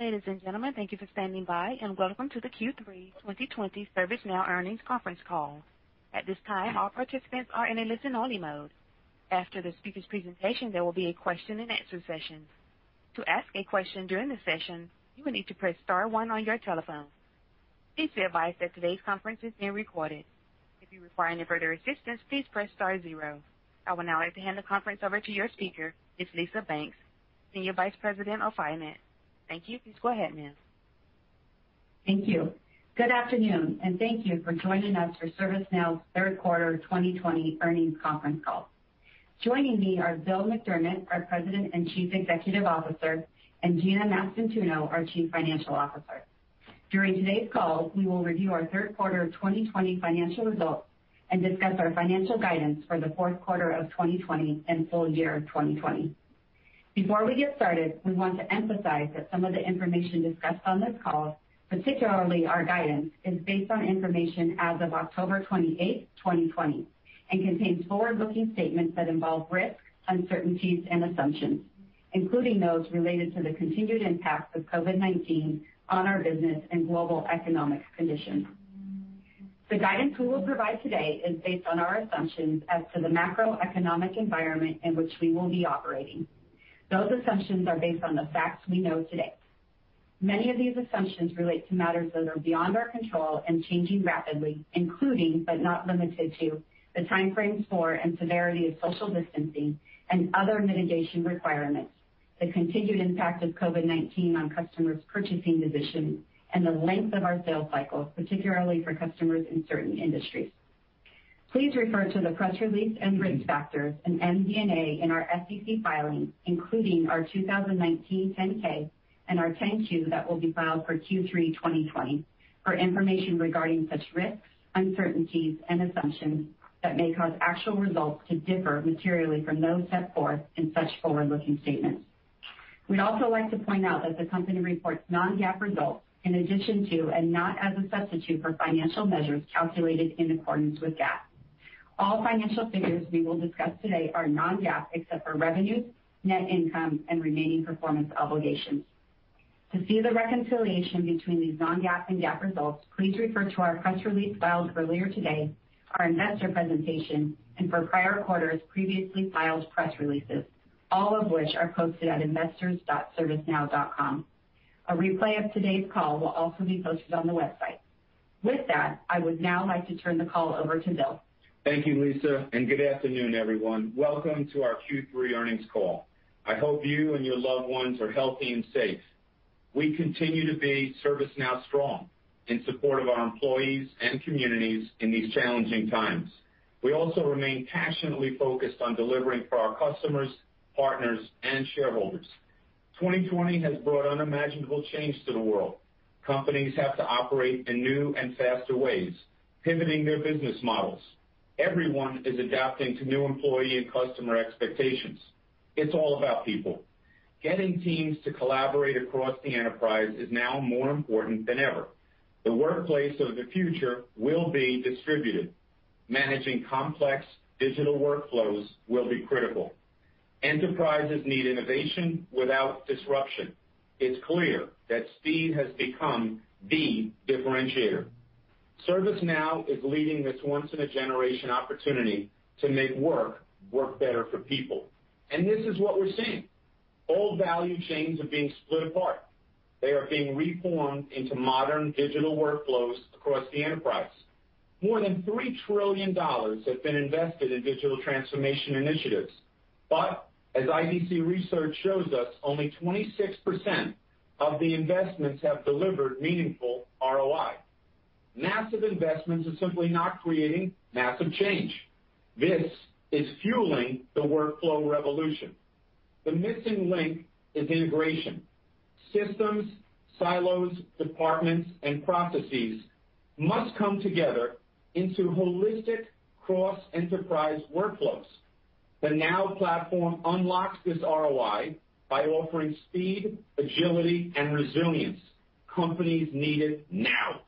Ladies and gentlemen, thank you for standing by, and welcome to the Q3 2020 ServiceNow earnings conference call. At this time, all participants are in a listen-only mode. After the speaker's presentation, there will be a question and answer session. To ask a question during the session, you will need to press star one on your telephone. Please be advised that today's conference is being recorded. If you require any further assistance, please press star zero. I would now like to hand the conference over to your speaker, Ms. Lisa Banks, Senior Vice President of Finance. Thank you. Please go ahead, ma'am. Thank you. Good afternoon, and thank you for joining us for ServiceNow's third quarter 2020 earnings conference call. Joining me are Bill McDermott, our President and Chief Executive Officer, and Gina Mastantuono, our Chief Financial Officer. During today's call, we will review our third quarter 2020 financial results and discuss our financial guidance for the fourth quarter of 2020 and full year 2020. Before we get started, we want to emphasize that some of the information discussed on this call, particularly our guidance, is based on information as of October 28th, 2020 and contains forward-looking statements that involve risks, uncertainties, and assumptions, including those related to the continued impacts of COVID-19 on our business and global economic conditions. The guidance we will provide today is based on our assumptions as to the macroeconomic environment in which we will be operating. Those assumptions are based on the facts we know today. Many of these assumptions relate to matters that are beyond our control and changing rapidly, including, but not limited to, the timeframes for and severity of social distancing and other mitigation requirements, the continued impact of COVID-19 on customers' purchasing positions, and the length of our sales cycles, particularly for customers in certain industries. Please refer to the press release and risk factors and MD&A in our SEC filings, including our 2019 10-K and our 10-Q that will be filed for Q3 2020 for information regarding such risks, uncertainties, and assumptions that may cause actual results to differ materially from those set forth in such forward-looking statements. We'd also like to point out that the company reports non-GAAP results in addition to, and not as a substitute for, financial measures calculated in accordance with GAAP. All financial figures we will discuss today are non-GAAP, except for revenues, net income, and remaining performance obligations. To see the reconciliation between these non-GAAP and GAAP results, please refer to our press release filed earlier today, our investor presentation, and for prior quarters, previously filed press releases, all of which are posted at investors.servicenow.com. A replay of today's call will also be posted on the website. With that, I would now like to turn the call over to Bill. Thank you, Lisa. Good afternoon, everyone. Welcome to our Q3 earnings call. I hope you and your loved ones are healthy and safe. We continue to be ServiceNow strong in support of our employees and communities in these challenging times. We also remain passionately focused on delivering for our customers, partners, and shareholders. 2020 has brought unimaginable change to the world. Companies have to operate in new and faster ways, pivoting their business models. Everyone is adapting to new employee and customer expectations. It's all about people. Getting teams to collaborate across the enterprise is now more important than ever. The workplace of the future will be distributed. Managing complex digital workflows will be critical. Enterprises need innovation without disruption. It's clear that speed has become the differentiator. ServiceNow is leading this once-in-a-generation opportunity to make work better for people, and this is what we're seeing. Old value chains are being split apart. They are being reformed into modern digital workflows across the enterprise. More than $3 trillion have been invested in digital transformation initiatives. As IDC research shows us, only 26% of the investments have delivered meaningful ROI. Massive investments are simply not creating massive change. This is fueling the workflow revolution. The missing link is integration. Systems, silos, departments, and processes must come together into holistic cross-enterprise workflows. The Now Platform unlocks this ROI by offering speed, agility, and resilience companies needed now.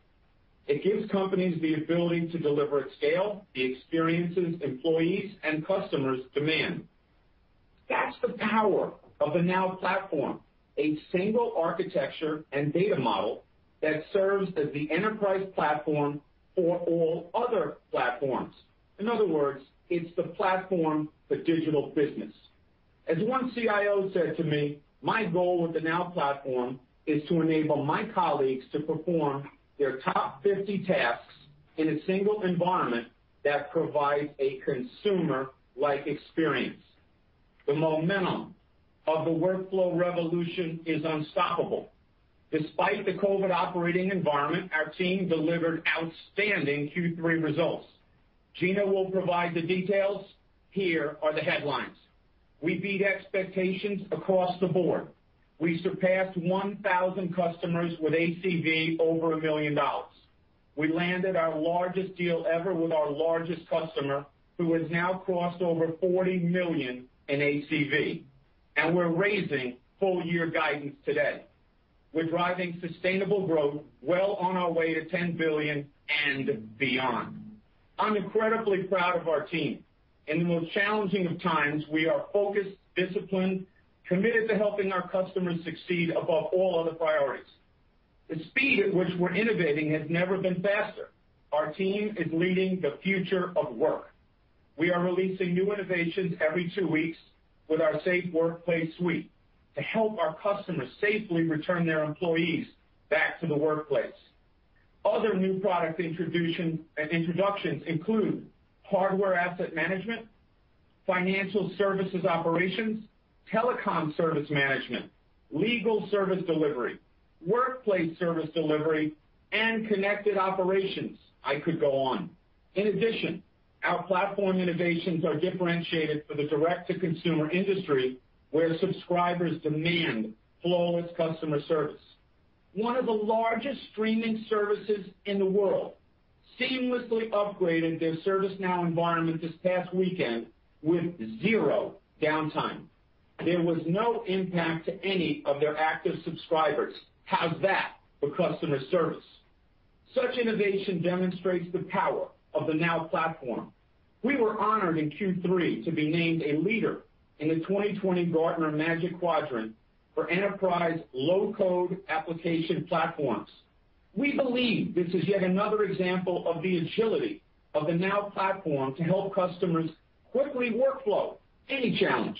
It gives companies the ability to deliver at scale the experiences employees and customers demand. That's the power of the Now Platform, a single architecture and data model that serves as the enterprise platform for all other platforms. In other words, it's the platform for digital business. As one CIO said to me, "My goal with the Now Platform is to enable my colleagues to perform their top 50 tasks in a single environment that provides a consumer-like experience." The momentum of the workflow revolution is unstoppable. Despite the COVID operating environment, our team delivered outstanding Q3 results. Gina will provide the details. Here are the headlines. We beat expectations across the board. We surpassed 1,000 customers with ACV over $1 million. We landed our largest deal ever with our largest customer, who has now crossed over $40 million in ACV. We're raising full-year guidance today. We're driving sustainable growth well on our way to $10 billion and beyond. I'm incredibly proud of our team. In the most challenging of times, we are focused, disciplined, committed to helping our customers succeed above all other priorities. The speed at which we're innovating has never been faster. Our team is leading the future of work. We are releasing new innovations every two weeks with our Safe Workplace Suite to help our customers safely return their employees back to the workplace. Other new product introductions include Hardware Asset Management, Financial Services Operations, Telecom Service Management, Legal Service Delivery, Workplace Service Delivery, and Connected Operations. I could go on. Our platform innovations are differentiated for the direct-to-consumer industry, where subscribers demand flawless customer service. One of the largest streaming services in the world seamlessly upgraded their ServiceNow environment this past weekend with zero downtime. There was no impact to any of their active subscribers. How's that for customer service? Such innovation demonstrates the power of the Now Platform. We were honored in Q3 to be named a leader in the 2020 Gartner Magic Quadrant for Enterprise Low-Code Application Platforms. We believe this is yet another example of the agility of the Now Platform to help customers quickly workflow any challenge.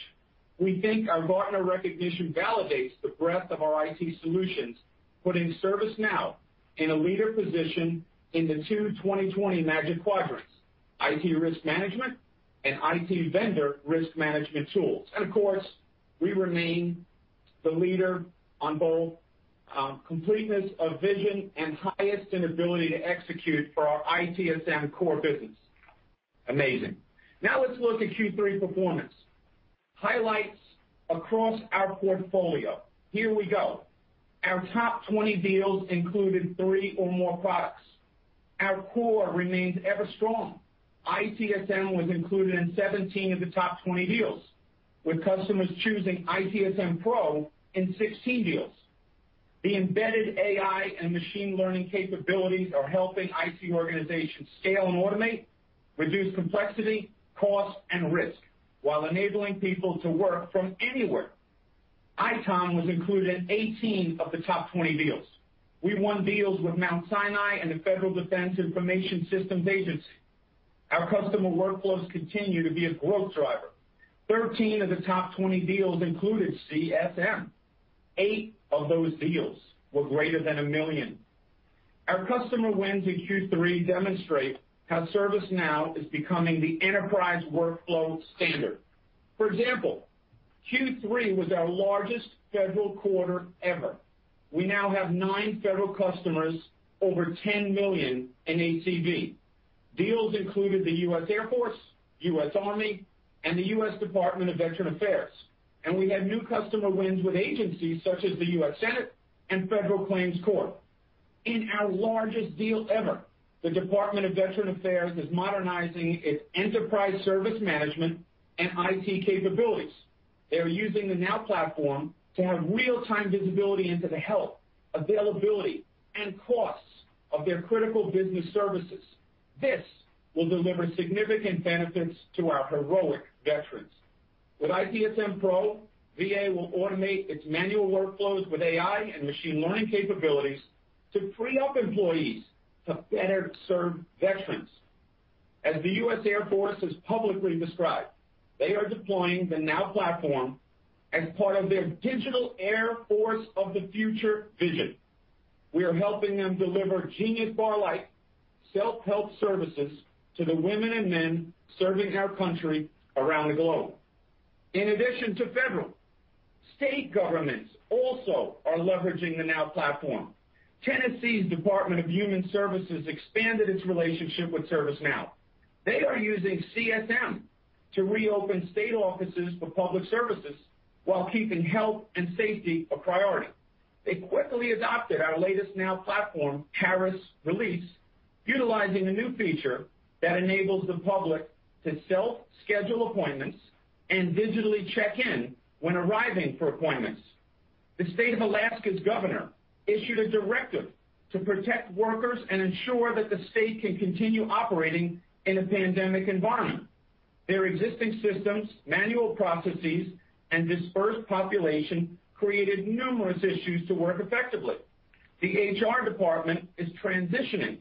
We think our Gartner recognition validates the breadth of our IT solutions, putting ServiceNow in a leader position in the two 2020 Magic Quadrants, IT Risk Management and IT Vendor Risk Management Tools. Of course, we remain the leader on both completeness of vision and highest ability to execute for our ITSM core business. Amazing. Now let's look at Q3 performance. Highlights across our portfolio. Here we go. Our top 20 deals included three or more products. Our core remains ever strong. ITSM was included in 17 of the top 20 deals, with customers choosing ITSM Pro in 16 deals. The embedded AI and machine learning capabilities are helping IT organizations scale and automate, reduce complexity, cost, and risk, while enabling people to work from anywhere. ITOM was included in 18 of the top 20 deals. We won deals with Mount Sinai and the Federal Defense Information Systems Agency. Our customer workflows continue to be a growth driver. 13 of the top 20 deals included CSM. Eight of those deals were greater than $1 million. Our customer wins in Q3 demonstrate how ServiceNow is becoming the enterprise workflow standard. For example, Q3 was our largest federal quarter ever. We now have nine federal customers over $10 million in ACV. Deals included the U.S. Air Force, U.S. Army, and the U.S. Department of Veterans Affairs. We had new customer wins with agencies such as the U.S. Senate and Federal Claims Court. In our largest deal ever, the Department of Veterans Affairs is modernizing its enterprise service management and IT capabilities. They are using the Now Platform to have real-time visibility into the health, availability, and costs of their critical business services. This will deliver significant benefits to our heroic veterans. With ITSM Pro, VA will automate its manual workflows with AI and machine learning capabilities to free up employees to better serve veterans. As the U.S. Air Force has publicly described, they are deploying the Now Platform as part of their Digital Air Force of the Future vision. We are helping them deliver Genius Bar-like self-help services to the women and men serving our country around the globe. In addition to federal, state governments also are leveraging the Now Platform. Tennessee's Department of Human Services expanded its relationship with ServiceNow. They are using CSM to reopen state offices for public services while keeping health and safety a priority. They quickly adopted our latest Now Platform, Paris release, utilizing a new feature that enables the public to self-schedule appointments and digitally check-in when arriving for appointments. The State of Alaska's governor issued a directive to protect workers and ensure that the state can continue operating in a pandemic environment. Their existing systems, manual processes, and dispersed population created numerous issues to work effectively. The HR department is transitioning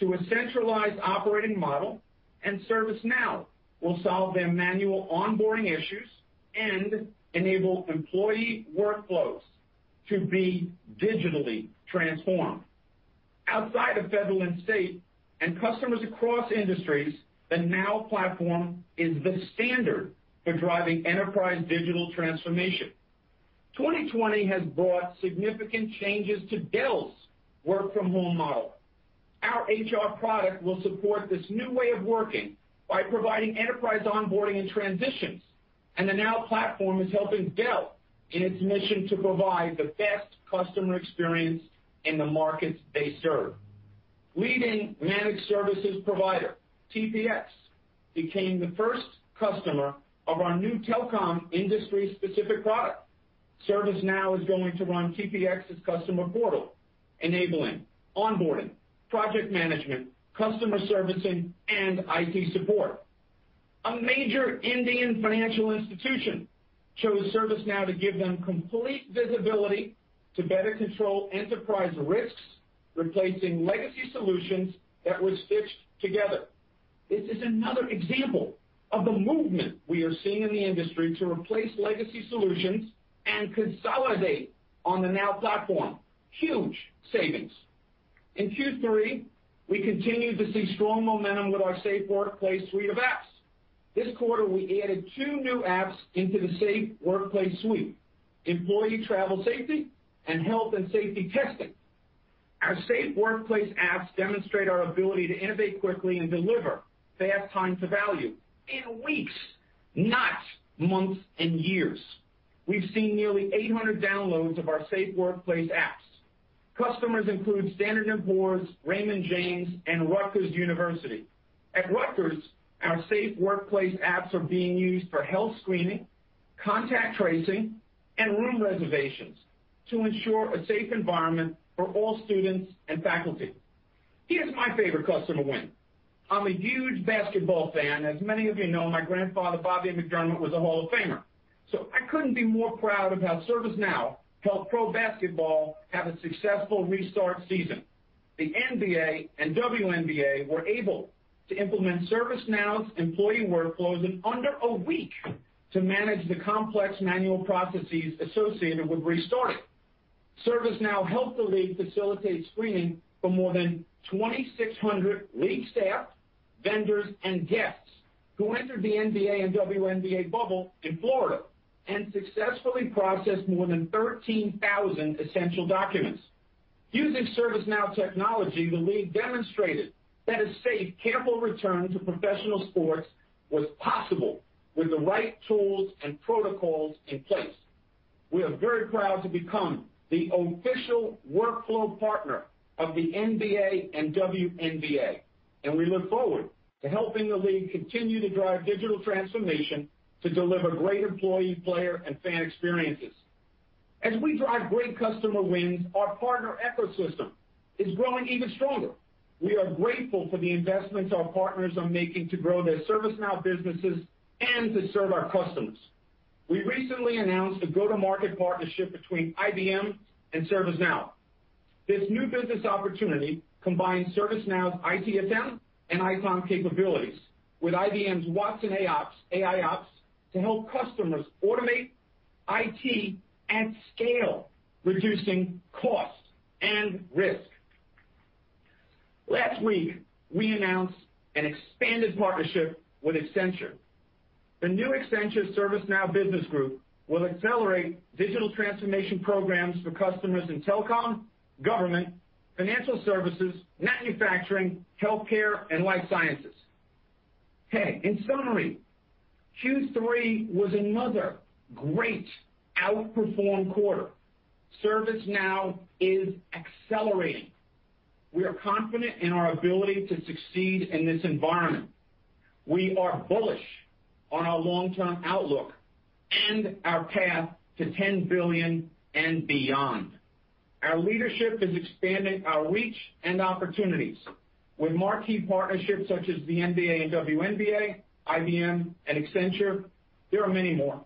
to a centralized operating model, and ServiceNow will solve their manual onboarding issues and enable employee workflows to be digitally transformed. Outside of federal and state, and customers across industries, the Now Platform is the standard for driving enterprise digital transformation. 2020 has brought significant changes to Dell's work-from-home model. Our HR product will support this new way of working by providing enterprise onboarding and transitions. The Now Platform is helping Dell in its mission to provide the best customer experience in the markets they serve. Leading managed services provider, TPx, became the first customer of our new telecom industry-specific product. ServiceNow is going to run TPx's customer portal, enabling onboarding, project management, customer servicing, and IT support. A major Indian financial institution chose ServiceNow to give them complete visibility to better control enterprise risks, replacing legacy solutions that were stitched together. This is another example of the movement we are seeing in the industry to replace legacy solutions and consolidate on the Now Platform. Huge savings. In Q3, we continued to see strong momentum with our Safe Workplace suite of apps. This quarter, we added two new apps into the Safe Workplace suite, Employee Travel Safety and Health and Safety Testing. Our Safe Workplace apps demonstrate our ability to innovate quickly and deliver fast time to value in weeks, not months and years. We've seen nearly 800 downloads of our Safe Workplace apps. Customers include Standard & Poor's, Raymond James, and Rutgers University. At Rutgers, our Safe Workplace apps are being used for health screening, contact tracing, and room reservations to ensure a safe environment for all students and faculty. Here's my favorite customer win. I'm a huge basketball fan. As many of you know, my grandfather, Bobby McDermott, was a Hall of Famer. I couldn't be more proud of how ServiceNow helped pro basketball have a successful restart season. The NBA and WNBA were able to implement ServiceNow's employee workflows in under a week to manage the complex manual processes associated with restarting. ServiceNow helped the league facilitate screening for more than 2,600 league staff, vendors, and guests who entered the NBA and WNBA bubble in Florida and successfully processed more than 13,000 essential documents. Using ServiceNow technology, the league demonstrated that a safe, careful return to professional sports was possible with the right tools and protocols in place. We are very proud to become the official workflow partner of the NBA and WNBA, and we look forward to helping the league continue to drive digital transformation to deliver great employee, player, and fan experiences. As we drive great customer wins, our partner ecosystem is growing even stronger. We are grateful for the investments our partners are making to grow their ServiceNow businesses and to serve our customers. We recently announced a go-to-market partnership between IBM and ServiceNow. This new business opportunity combines ServiceNow's ITSM and ITOM capabilities with IBM's Watson AIOps to help customers automate IT and scale, reducing costs and risk. Last week, we announced an expanded partnership with Accenture. The new Accenture ServiceNow Business Group will accelerate digital transformation programs for customers in telecom, government, financial services, manufacturing, healthcare, and life sciences. Hey, in summary, Q3 was another great outperform quarter. ServiceNow is accelerating. We are confident in our ability to succeed in this environment. We are bullish on our long-term outlook and our path to $10 billion and beyond. Our leadership is expanding our reach and opportunities with marquee partnerships such as the NBA and WNBA, IBM and Accenture. There are many more.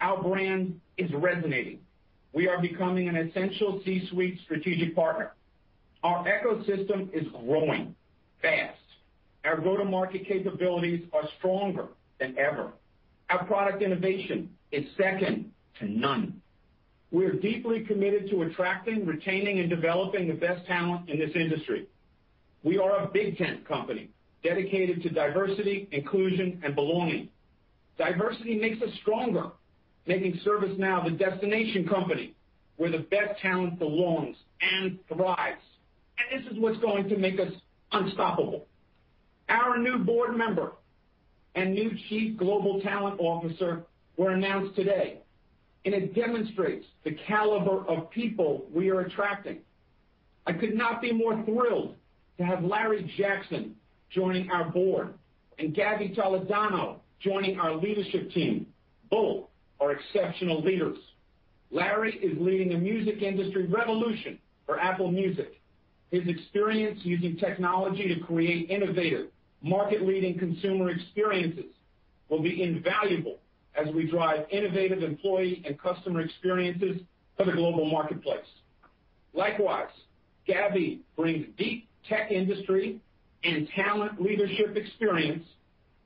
Our brand is resonating. We are becoming an essential C-suite strategic partner. Our ecosystem is growing fast. Our go-to-market capabilities are stronger than ever. Our product innovation is second to none. We are deeply committed to attracting, retaining, and developing the best talent in this industry. We are a big tent company dedicated to diversity, inclusion, and belonging. Diversity makes us stronger, making ServiceNow the destination company where the best talent belongs and thrives, and this is what's going to make us unstoppable. Our new board member and new Chief Global Talent Officer were announced today, and it demonstrates the caliber of people we are attracting. I could not be more thrilled to have Larry Jackson joining our board and Gaby Toledano joining our leadership team. Both are exceptional leaders. Larry is leading a music industry revolution for Apple Music. His experience using technology to create innovative, market-leading consumer experiences will be invaluable as we drive innovative employee and customer experiences for the global marketplace. Likewise, Gaby brings deep tech industry and talent leadership experience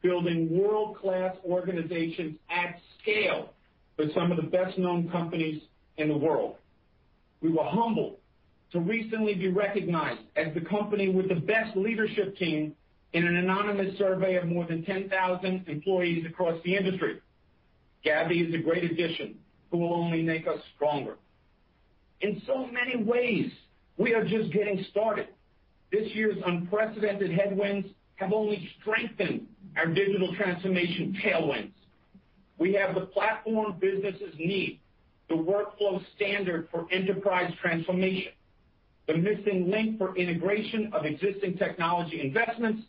building world-class organizations at scale with some of the best-known companies in the world. We were humbled to recently be recognized as the company with the best leadership team in an anonymous survey of more than 10,000 employees across the industry. Gaby is a great addition who will only make us stronger. In so many ways, we are just getting started. This year's unprecedented headwinds have only strengthened our digital transformation tailwinds. We have the platform businesses need, the workflow standard for enterprise transformation. The missing link for integration of existing technology investments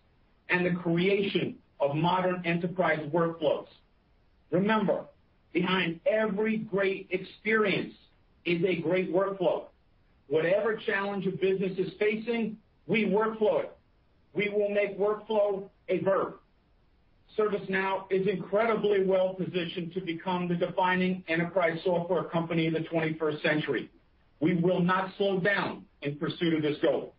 and the creation of modern enterprise workflows. Remember, behind every great experience is a great workflow. Whatever challenge a business is facing, we workflow it. We will make workflow a verb. ServiceNow is incredibly well-positioned to become the defining enterprise software company in the 21st century. We will not slow down in pursuit of this goal.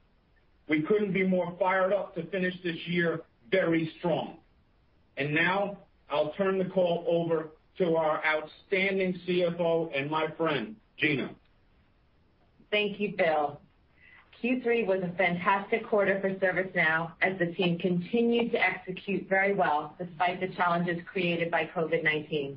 We couldn't be more fired up to finish this year very strong. Now I'll turn the call over to our outstanding CFO and my friend, Gina. Thank you, Bill. Q3 was a fantastic quarter for ServiceNow as the team continued to execute very well despite the challenges created by COVID-19.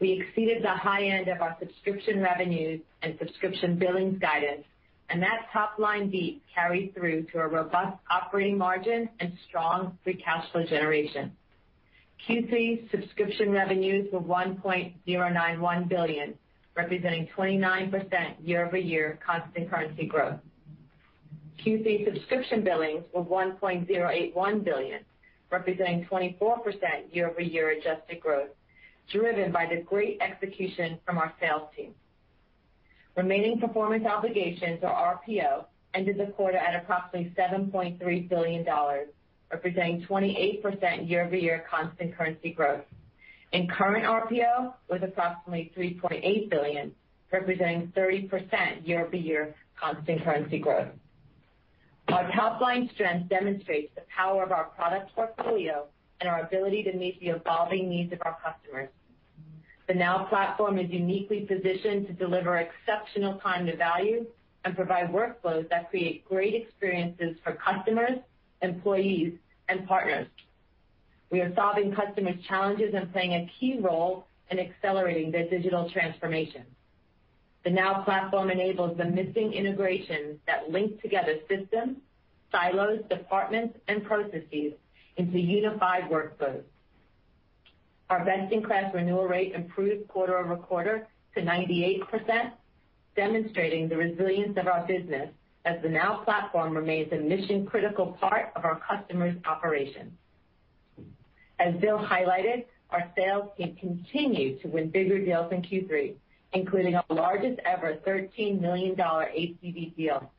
We exceeded the high end of our subscription revenues and subscription billings guidance, and that top-line beat carried through to a robust operating margin and strong free cash flow generation. Q3 subscription revenues were $1.091 billion, representing 29% year-over-year constant currency growth. Q3 subscription billings were $1.081 billion, representing 24% year-over-year adjusted growth, driven by the great execution from our sales team. Remaining performance obligations, or RPO, ended the quarter at approximately $7.3 billion, representing 28% year-over-year constant currency growth, and current RPO was approximately $3.8 billion, representing 30% year-over-year constant currency growth. Our top-line strength demonstrates the power of our product portfolio and our ability to meet the evolving needs of our customers. The Now Platform is uniquely positioned to deliver exceptional time to value and provide workflows that create great experiences for customers, employees, and partners. We are solving customers' challenges and playing a key role in accelerating their digital transformation. The Now Platform enables the missing integrations that link together systems, silos, departments, and processes into unified workflows. Our best-in-class renewal rate improved quarter-over-quarter to 98%, demonstrating the resilience of our business as the Now Platform remains a mission-critical part of our customers' operations. As Bill highlighted, our sales team continued to win bigger deals in Q3, including our largest-ever $13 million ACV deal.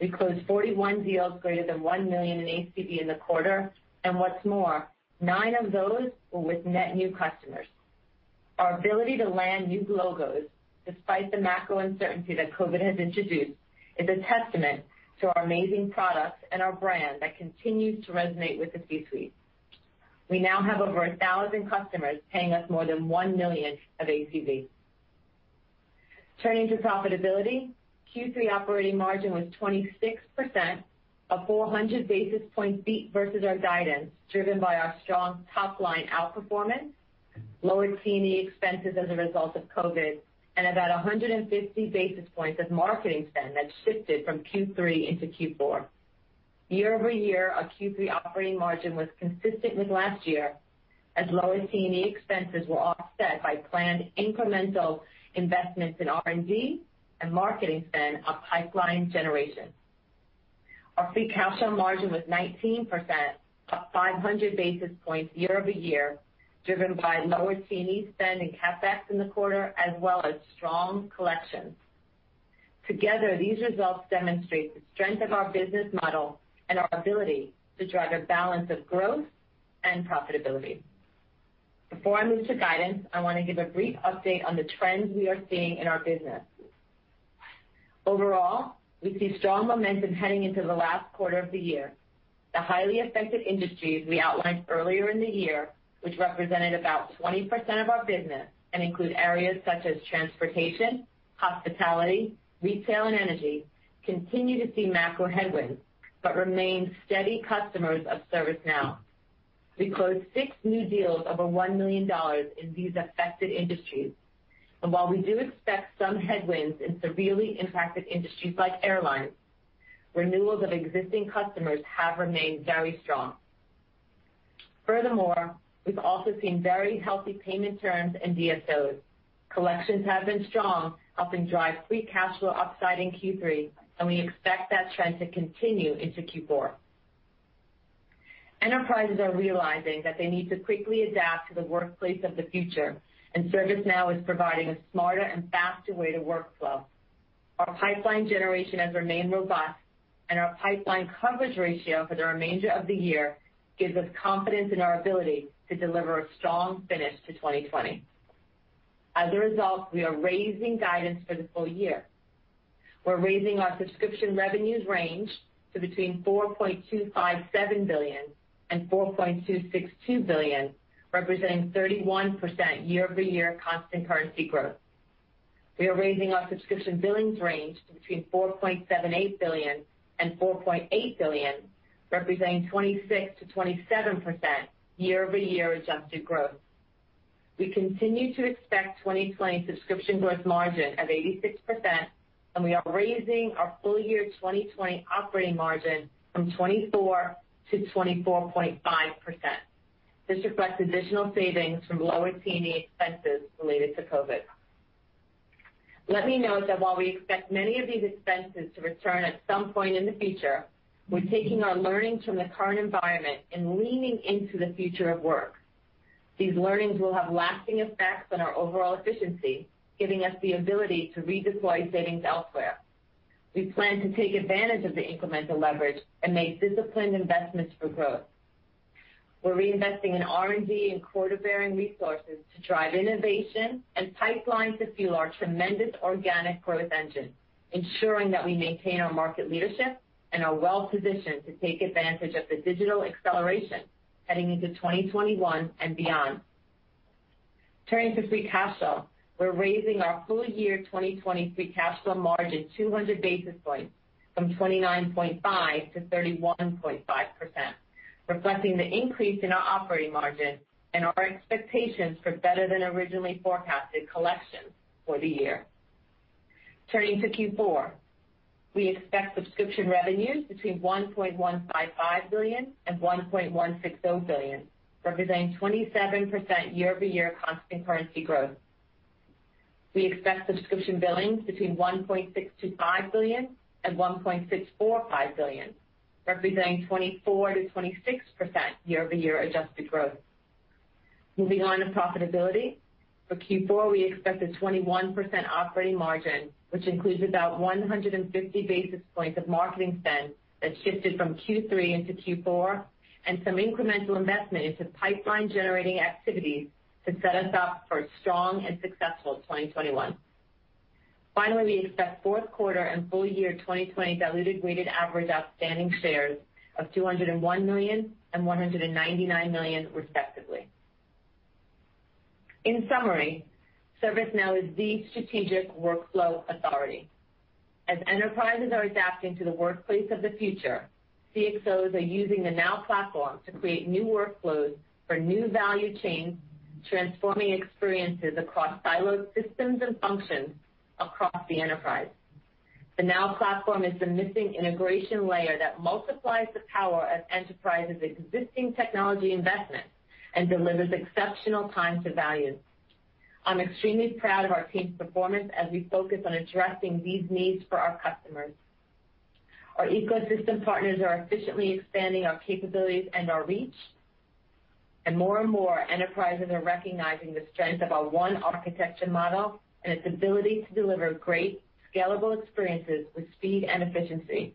We closed 41 deals greater than $1 million in ACV in the quarter, and what's more, nine of those were with net new customers. Our ability to land new logos, despite the macro uncertainty that COVID has introduced, is a testament to our amazing products and our brand that continues to resonate with the C-suite. We now have over 1,000 customers paying us more than $1 million of ACV. Turning to profitability, Q3 operating margin was 26%, a 400-basis-point beat versus our guidance, driven by our strong top-line outperformance, lower T&E expenses as a result of COVID, and about 150 basis points of marketing spend that shifted from Q3 into Q4. Year-over-year, our Q3 operating margin was consistent with last year, as lower T&E expenses were offset by planned incremental investments in R&D and marketing spend on pipeline generation. Our free cash flow margin was 19%, up 500 basis points year-over-year, driven by lower T&E spend and CapEx in the quarter, as well as strong collections. Together, these results demonstrate the strength of our business model and our ability to drive a balance of growth and profitability. Before I move to guidance, I want to give a brief update on the trends we are seeing in our business. Overall, we see strong momentum heading into the last quarter of the year. The highly affected industries we outlined earlier in the year, which represented about 20% of our business and include areas such as transportation, hospitality, retail, and energy, continue to see macro headwinds, but remain steady customers of ServiceNow. We closed six new deals over $1 million in these affected industries. While we do expect some headwinds in severely impacted industries like airlines, renewals of existing customers have remained very strong. Furthermore, we've also seen very healthy payment terms and DSOs. Collections have been strong, helping drive free cash flow upside in Q3. We expect that trend to continue into Q4. Enterprises are realizing that they need to quickly adapt to the workplace of the future. ServiceNow is providing a smarter and faster way to workflow. Our pipeline generation has remained robust. Our pipeline coverage ratio for the remainder of the year gives us confidence in our ability to deliver a strong finish to 2020. As a result, we are raising guidance for the full year. We're raising our subscription revenues range to between $4.257 billion and $4.262 billion, representing 31% year-over-year constant currency growth. We are raising our subscription billings range to between $4.78 billion and $4.8 billion, representing 26%-27% year-over-year adjusted growth. We continue to expect 2020 subscription gross margin of 86%. We are raising our full-year 2020 operating margin from 24%-24.5%. This reflects additional savings from lower T&E expenses related to COVID. Let me note that while we expect many of these expenses to return at some point in the future, we're taking our learnings from the current environment and leaning into the future of work. These learnings will have lasting effects on our overall efficiency, giving us the ability to redeploy savings elsewhere. We plan to take advantage of the incremental leverage and make disciplined investments for growth. We're reinvesting in R&D and quota-bearing resources to drive innovation and pipeline to fuel our tremendous organic growth engine, ensuring that we maintain our market leadership and are well-positioned to take advantage of the digital acceleration heading into 2021 and beyond. Turning to free cash flow. We're raising our full year 2020 free cash flow margin 200 basis points from 29.5% to 31.5%, reflecting the increase in our operating margin and our expectations for better than originally forecasted collections for the year. Turning to Q4, we expect subscription revenues between $1.155 billion and $1.160 billion, representing 27% year-over-year constant currency growth. We expect subscription billings between $1.625 billion and $1.645 billion, representing 24%-26% year-over-year adjusted growth. Moving on to profitability, for Q4, we expect a 21% operating margin, which includes about 150 basis points of marketing spend that shifted from Q3 into Q4 and some incremental investment into pipeline-generating activities to set us up for a strong and successful 2021. Finally, we expect fourth quarter and full year 2020 diluted weighted average outstanding shares of 201 million and 199 million respectively. In summary, ServiceNow is the strategic workflow authority. As enterprises are adapting to the workplace of the future, CXOs are using the Now Platform to create new workflows for new value chains, transforming experiences across siloed systems and functions across the enterprise. The Now Platform is the missing integration layer that multiplies the power of enterprises' existing technology investment and delivers exceptional time to value. I'm extremely proud of our team's performance as we focus on addressing these needs for our customers. Our ecosystem partners are efficiently expanding our capabilities and our reach, and more and more enterprises are recognizing the strength of our One Architecture model and its ability to deliver great scalable experiences with speed and efficiency.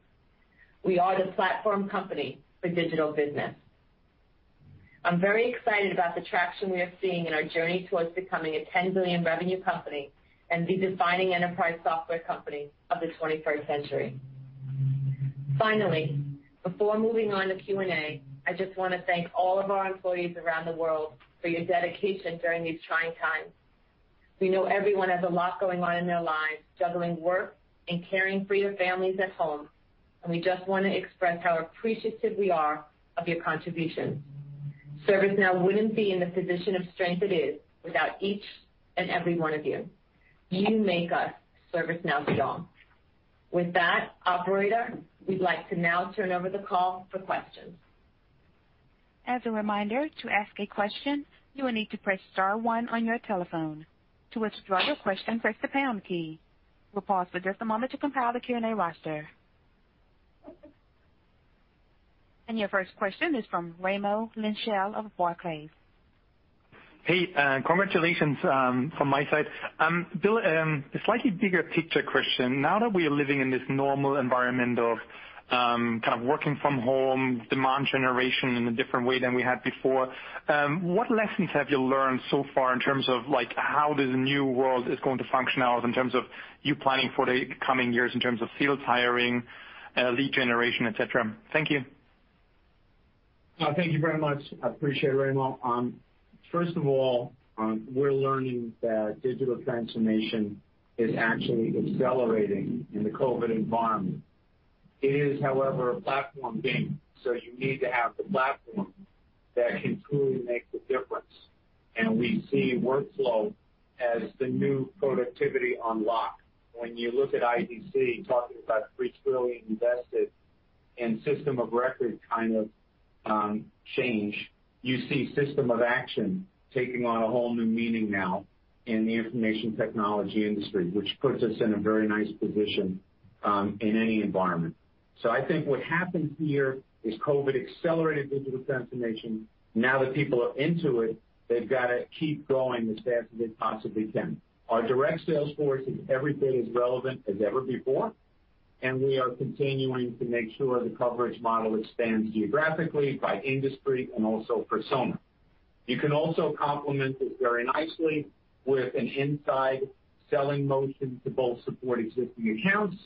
We are the platform company for digital business. I'm very excited about the traction we are seeing in our journey towards becoming a $10 billion revenue company and the defining enterprise software company of the 21st century. Finally, before moving on to Q&A, I just want to thank all of our employees around the world for your dedication during these trying times. We know everyone has a lot going on in their lives, juggling work and caring for your families at home, and we just want to express how appreciative we are of your contributions. ServiceNow wouldn't be in the position of strength it is without each and every one of you. You make us, ServiceNow strong. With that, operator, we'd like to now turn over the call for questions. As a reminder, to ask a question, you will need to press star one on your telephone. To withdraw your question, press the pound key. We'll pause for just a moment to compile the Q&A roster. Your first question is from Raimo Lenschow of Barclays. Hey, congratulations from my side. Bill, a slightly bigger picture question. Now that we are living in this normal environment of kind of working from home, demand generation in a different way than we had before, what lessons have you learned so far in terms of how this new world is going to function now in terms of you planning for the coming years in terms of field hiring, lead generation, et cetera? Thank you. Thank you very much. I appreciate it, Raimo. We're learning that digital transformation is actually accelerating in the COVID-19 environment. It is, however, a platform game, so you need to have the platform that can truly make the difference, and we see workflow as the new productivity unlock. When you look at IDC talking about $3 trillion invested in system of record kind of change, you see system of action taking on a whole new meaning now in the information technology industry, which puts us in a very nice position in any environment. I think what happened here is COVID-19 accelerated digital transformation. Now that people are into it, they've got to keep going as fast as they possibly can. Our direct sales force is every bit as relevant as ever before, and we are continuing to make sure the coverage model expands geographically, by industry, and also persona. You can also complement this very nicely with an inside selling motion to both support existing accounts and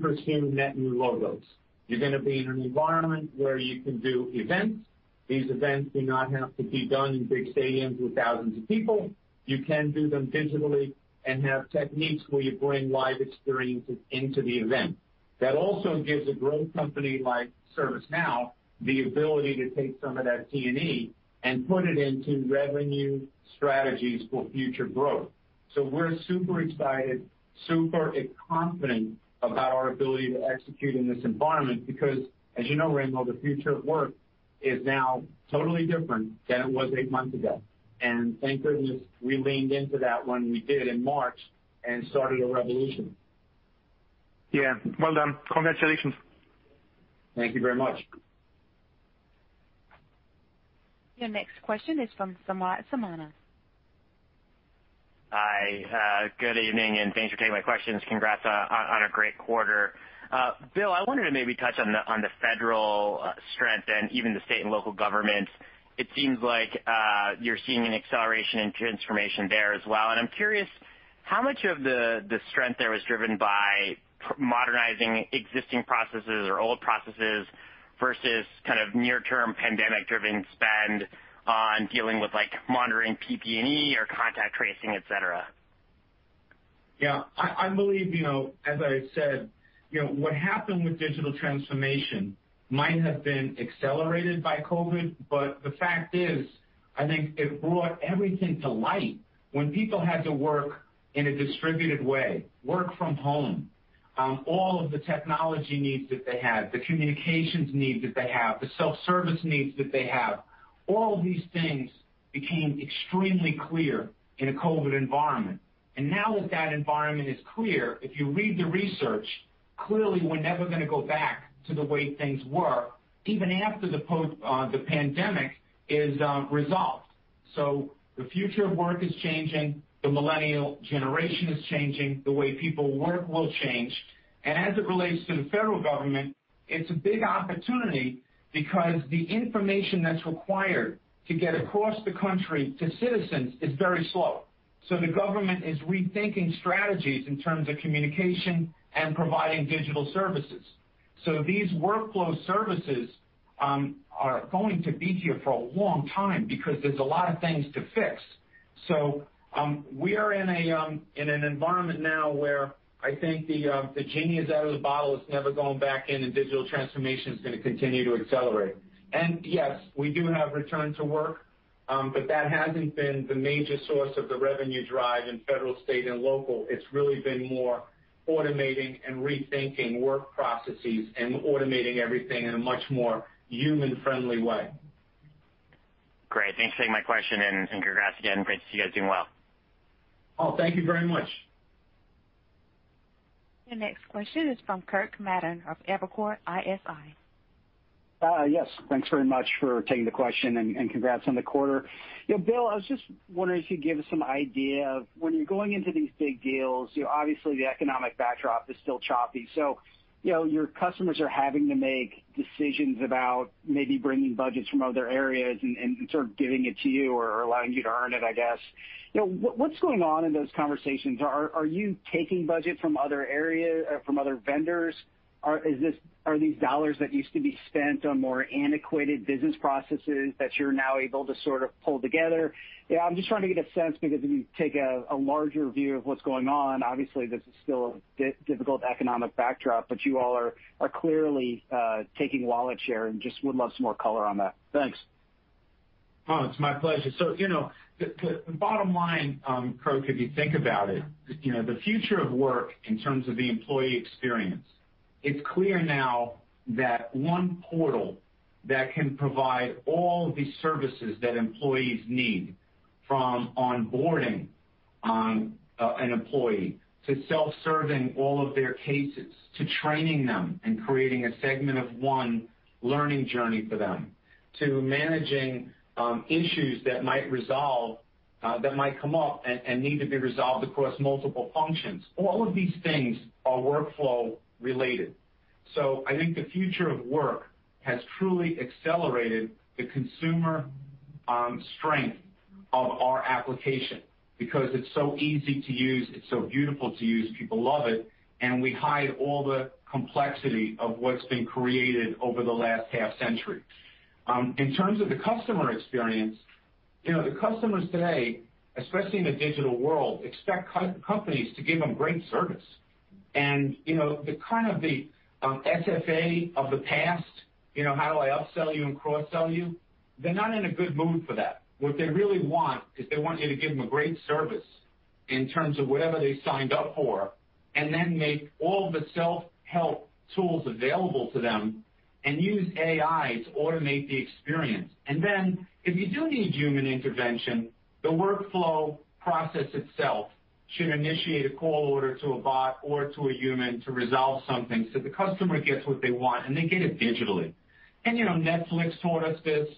pursue net new logos. You're going to be in an environment where you can do events. These events do not have to be done in big stadiums with thousands of people. You can do them digitally and have techniques where you bring live experiences into the event. That also gives a growth company like ServiceNow the ability to take some of that T&E and put it into revenue strategies for future growth. We're super excited, super confident about our ability to execute in this environment because, as you know, Raimo, the future of work is now totally different than it was eight months ago. Thank goodness we leaned into that when we did in March and started a revolution. Yeah. Well done. Congratulations. Thank you very much. Your next question is from Samad Samana. Hi. Good evening, and thanks for taking my questions. Congrats on a great quarter. Bill, I wanted to maybe touch on the federal strength and even the state and local government. It seems like you're seeing an acceleration in transformation there as well, and I'm curious how much of the strength there was driven by modernizing existing processes or old processes versus kind of near-term pandemic-driven spend on dealing with monitoring PPE or contact tracing, et cetera? Yeah. I believe, as I said, what happened with digital transformation might have been accelerated by COVID. The fact is, I think it brought everything to light. When people had to work in a distributed way, work from home, all of the technology needs that they have, the communications needs that they have, the self-service needs that they have, all of these things became extremely clear in a COVID environment. Now that that environment is clear, if you read the research, clearly, we're never going to go back to the way things were, even after the pandemic is resolved. The future of work is changing. The millennial generation is changing. The way people work will change. As it relates to the federal government, it's a big opportunity because the information that's required to get across the country to citizens is very slow. The government is rethinking strategies in terms of communication and providing digital services. These workflow services are going to be here for a long time because there's a lot of things to fix. We are in an environment now where I think the genie is out of the bottle. It's never going back in, digital transformation is going to continue to accelerate. Yes, we do have return to work, but that hasn't been the major source of the revenue drive in federal, state, and local. It's really been more automating and rethinking work processes and automating everything in a much more human-friendly way. Great. Thanks for taking my question. Congrats again. Great to see you guys doing well. Oh, thank you very much. Your next question is from Kirk Materne of Evercore ISI. Yes. Thanks very much for taking the question. Congrats on the quarter. Bill, I was just wondering if you could give us some idea of when you're going into these big deals, obviously, the economic backdrop is still choppy, so your customers are having to make decisions about maybe bringing budgets from other areas and sort of giving it to you or allowing you to earn it, I guess. What's going on in those conversations? Are you taking budget from other vendors? Are these dollars that used to be spent on more antiquated business processes that you're now able to sort of pull together? I'm just trying to get a sense because if you take a larger view of what's going on, obviously, this is still a difficult economic backdrop, but you all are clearly taking wallet share and just would love some more color on that. Thanks. Oh, it's my pleasure. The bottom line, Kirk, if you think about it, the future of work in terms of the employee experience, it's clear now that one portal that can provide all the services that employees need, from onboarding an employee to self-serving all of their cases, to training them and creating a segment of one learning journey for them, to managing issues that might come up and need to be resolved across multiple functions. All of these things are workflow related. I think the future of work has truly accelerated the consumer strength of our application because it's so easy to use, it's so beautiful to use, people love it, and we hide all the complexity of what's been created over the last half-century. In terms of the customer experience, the customers today, especially in the digital world, expect companies to give them great service. The kind of the SFA of the past, how do I upsell you and cross-sell you? They're not in a good mood for that. What they really want is they want you to give them a great service in terms of whatever they signed up for, and then make all the self-help tools available to them and use AI to automate the experience. Then, if you do need human intervention, the workflow process itself should initiate a call order to a bot or to a human to resolve something so the customer gets what they want, and they get it digitally. Netflix taught us this.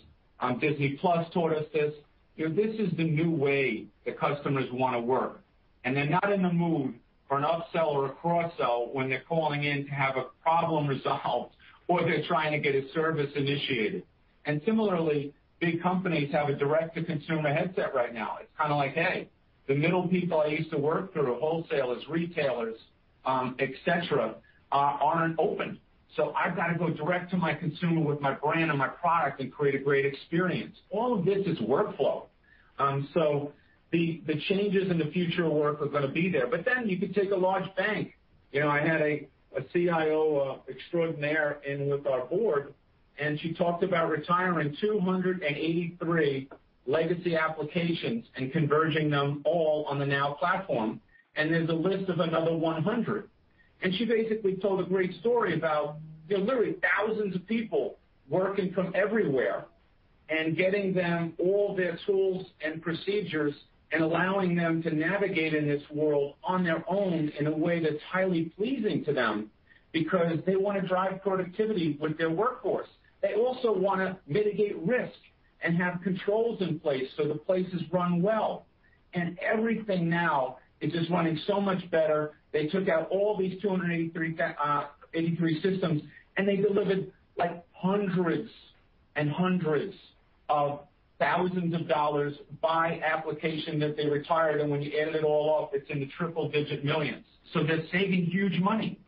Disney+ taught us this. This is the new way that customers want to work, and they're not in the mood for an upsell or a cross-sell when they're calling in to have a problem resolved or they're trying to get a service initiated. Similarly, big companies have a direct-to-consumer headset right now. It's kind of like, hey, the middle people I used to work through, wholesalers, retailers, et cetera, aren't open. I've got to go direct to my consumer with my brand and my product and create a great experience. All of this is workflow. The changes in the future of work are going to be there. You could take a large bank. I had a CIO extraordinaire in with our board. She talked about retiring 283 legacy applications and converging them all on the Now Platform, and there's a list of another 100. She basically told a great story about literally thousands of people working from everywhere and getting them all their tools and procedures, and allowing them to navigate in this world on their own in a way that's highly pleasing to them because they want to drive productivity with their workforce. They also want to mitigate risk and have controls in place so the place is run well. Everything now is just running so much better. They took out all these 283 systems. They delivered hundreds of thousands dollars by application that they retired. When you added it all up, it's in the triple-digit millions dollars. They're saving huge money.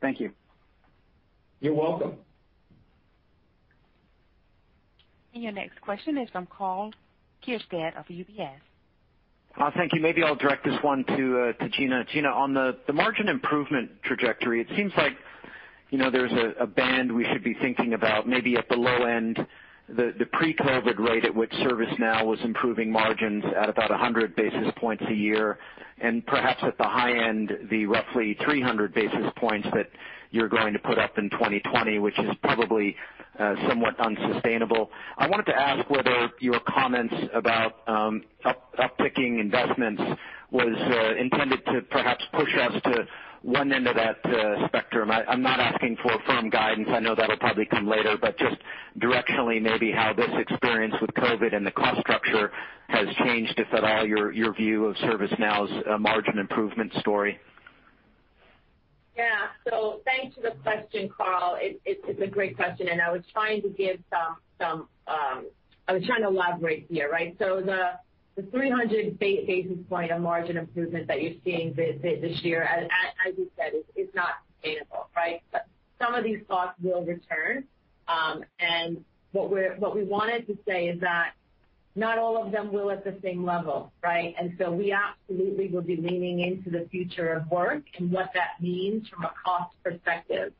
Thank you. You're welcome. Your next question is from Karl Keirstead of UBS. Thank you. Maybe I'll direct this one to Gina. Gina, on the margin improvement trajectory, it seems like there's a band we should be thinking about, maybe at the low end, the pre-COVID rate at which ServiceNow was improving margins at about 100 basis points a year, and perhaps at the high end, the roughly 300 basis points that you're going to put up in 2020, which is probably somewhat unsustainable. I wanted to ask whether your comments about up-picking investments was intended to perhaps push us to one end of that spectrum. I'm not asking for firm guidance. I know that'll probably come later. Just directionally, maybe how this experience with COVID and the cost structure has changed, if at all, your view of ServiceNow's margin improvement story. Yeah. Thanks for the question, Karl. It's a great question, and I was trying to elaborate here. The 300 basis point of margin improvement that you're seeing this year, as you said, is not sustainable, right? Some of these costs will return, and what we wanted to say is that not all of them will at the same level, right? We absolutely will be leaning into the future of work and what that means from a cost perspective.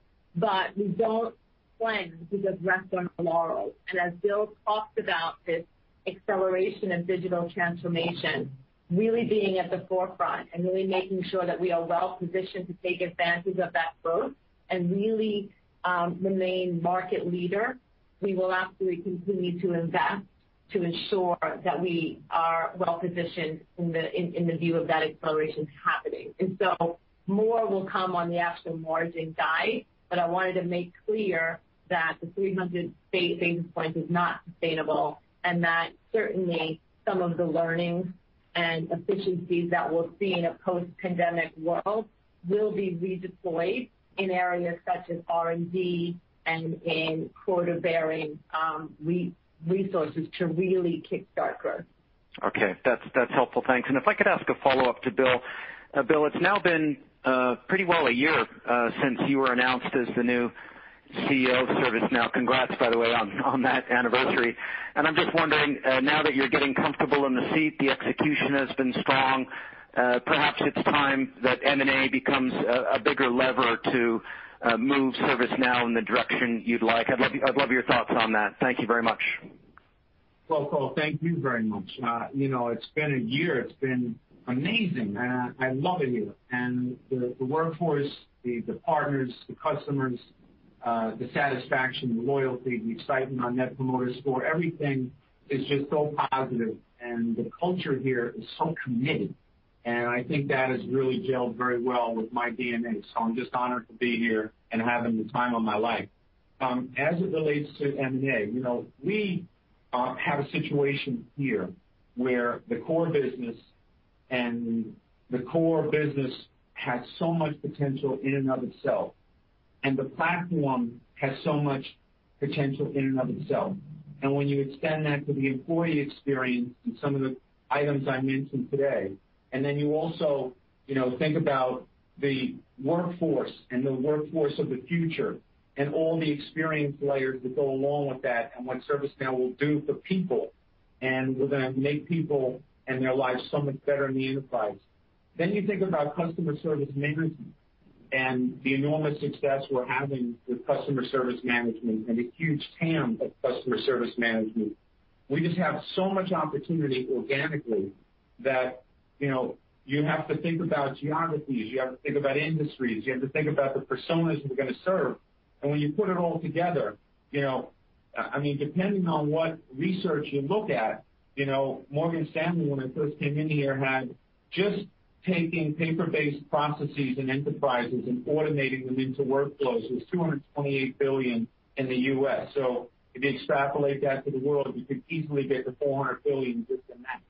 We don't plan to just rest on our laurels. As Bill talked about this acceleration in digital transformation really being at the forefront and really making sure that we are well-positioned to take advantage of that growth and really remain market leader, we will absolutely continue to invest to ensure that we are well-positioned in the view of that acceleration happening. More will come on the actual margin guide, but I wanted to make clear that the 300 basis points is not sustainable, and that certainly some of the learnings and efficiencies that we'll see in a post-pandemic world will be redeployed in areas such as R&D and in quota-bearing resources to really kickstart growth. Okay. That's helpful. Thanks. If I could ask a follow-up to Bill. Bill, it's now been pretty well a year since you were announced as the new CEO of ServiceNow. Congrats, by the way, on that anniversary. I'm just wondering, now that you're getting comfortable in the seat, the execution has been strong. Perhaps it's time that M&A becomes a bigger lever to move ServiceNow in the direction you'd like. I'd love your thoughts on that. Thank you very much. Well, Karl, thank you very much. It's been a year. It's been amazing, I'm loving it. The workforce, the partners, the customers, the satisfaction, the loyalty, the excitement on net promoter score, everything is just so positive, and the culture here is so committed, and I think that has really gelled very well with my DNA. I'm just honored to be here and having the time of my life. As it relates to M&A, we have a situation here where the core business has so much potential in and of itself, and the platform has so much potential in and of itself. When you extend that to the employee experience and some of the items I mentioned today, and then you also think about the workforce and the workforce of the future and all the experience layers that go along with that and what ServiceNow will do for people, and we're going to make people and their lives so much better in the enterprise. You think about Customer Service Management and the enormous success we're having with Customer Service Management and the huge TAM of Customer Service Management. We just have so much opportunity organically that you have to think about geographies, you have to think about industries, you have to think about the personas we're going to serve. When you put it all together, depending on what research you look at, Morgan Stanley, when I first came in here, had just taking paper-based processes and enterprises and automating them into workflows was $228 billion in the U.S. If you extrapolate that to the world, you could easily get to $400 billion just in that.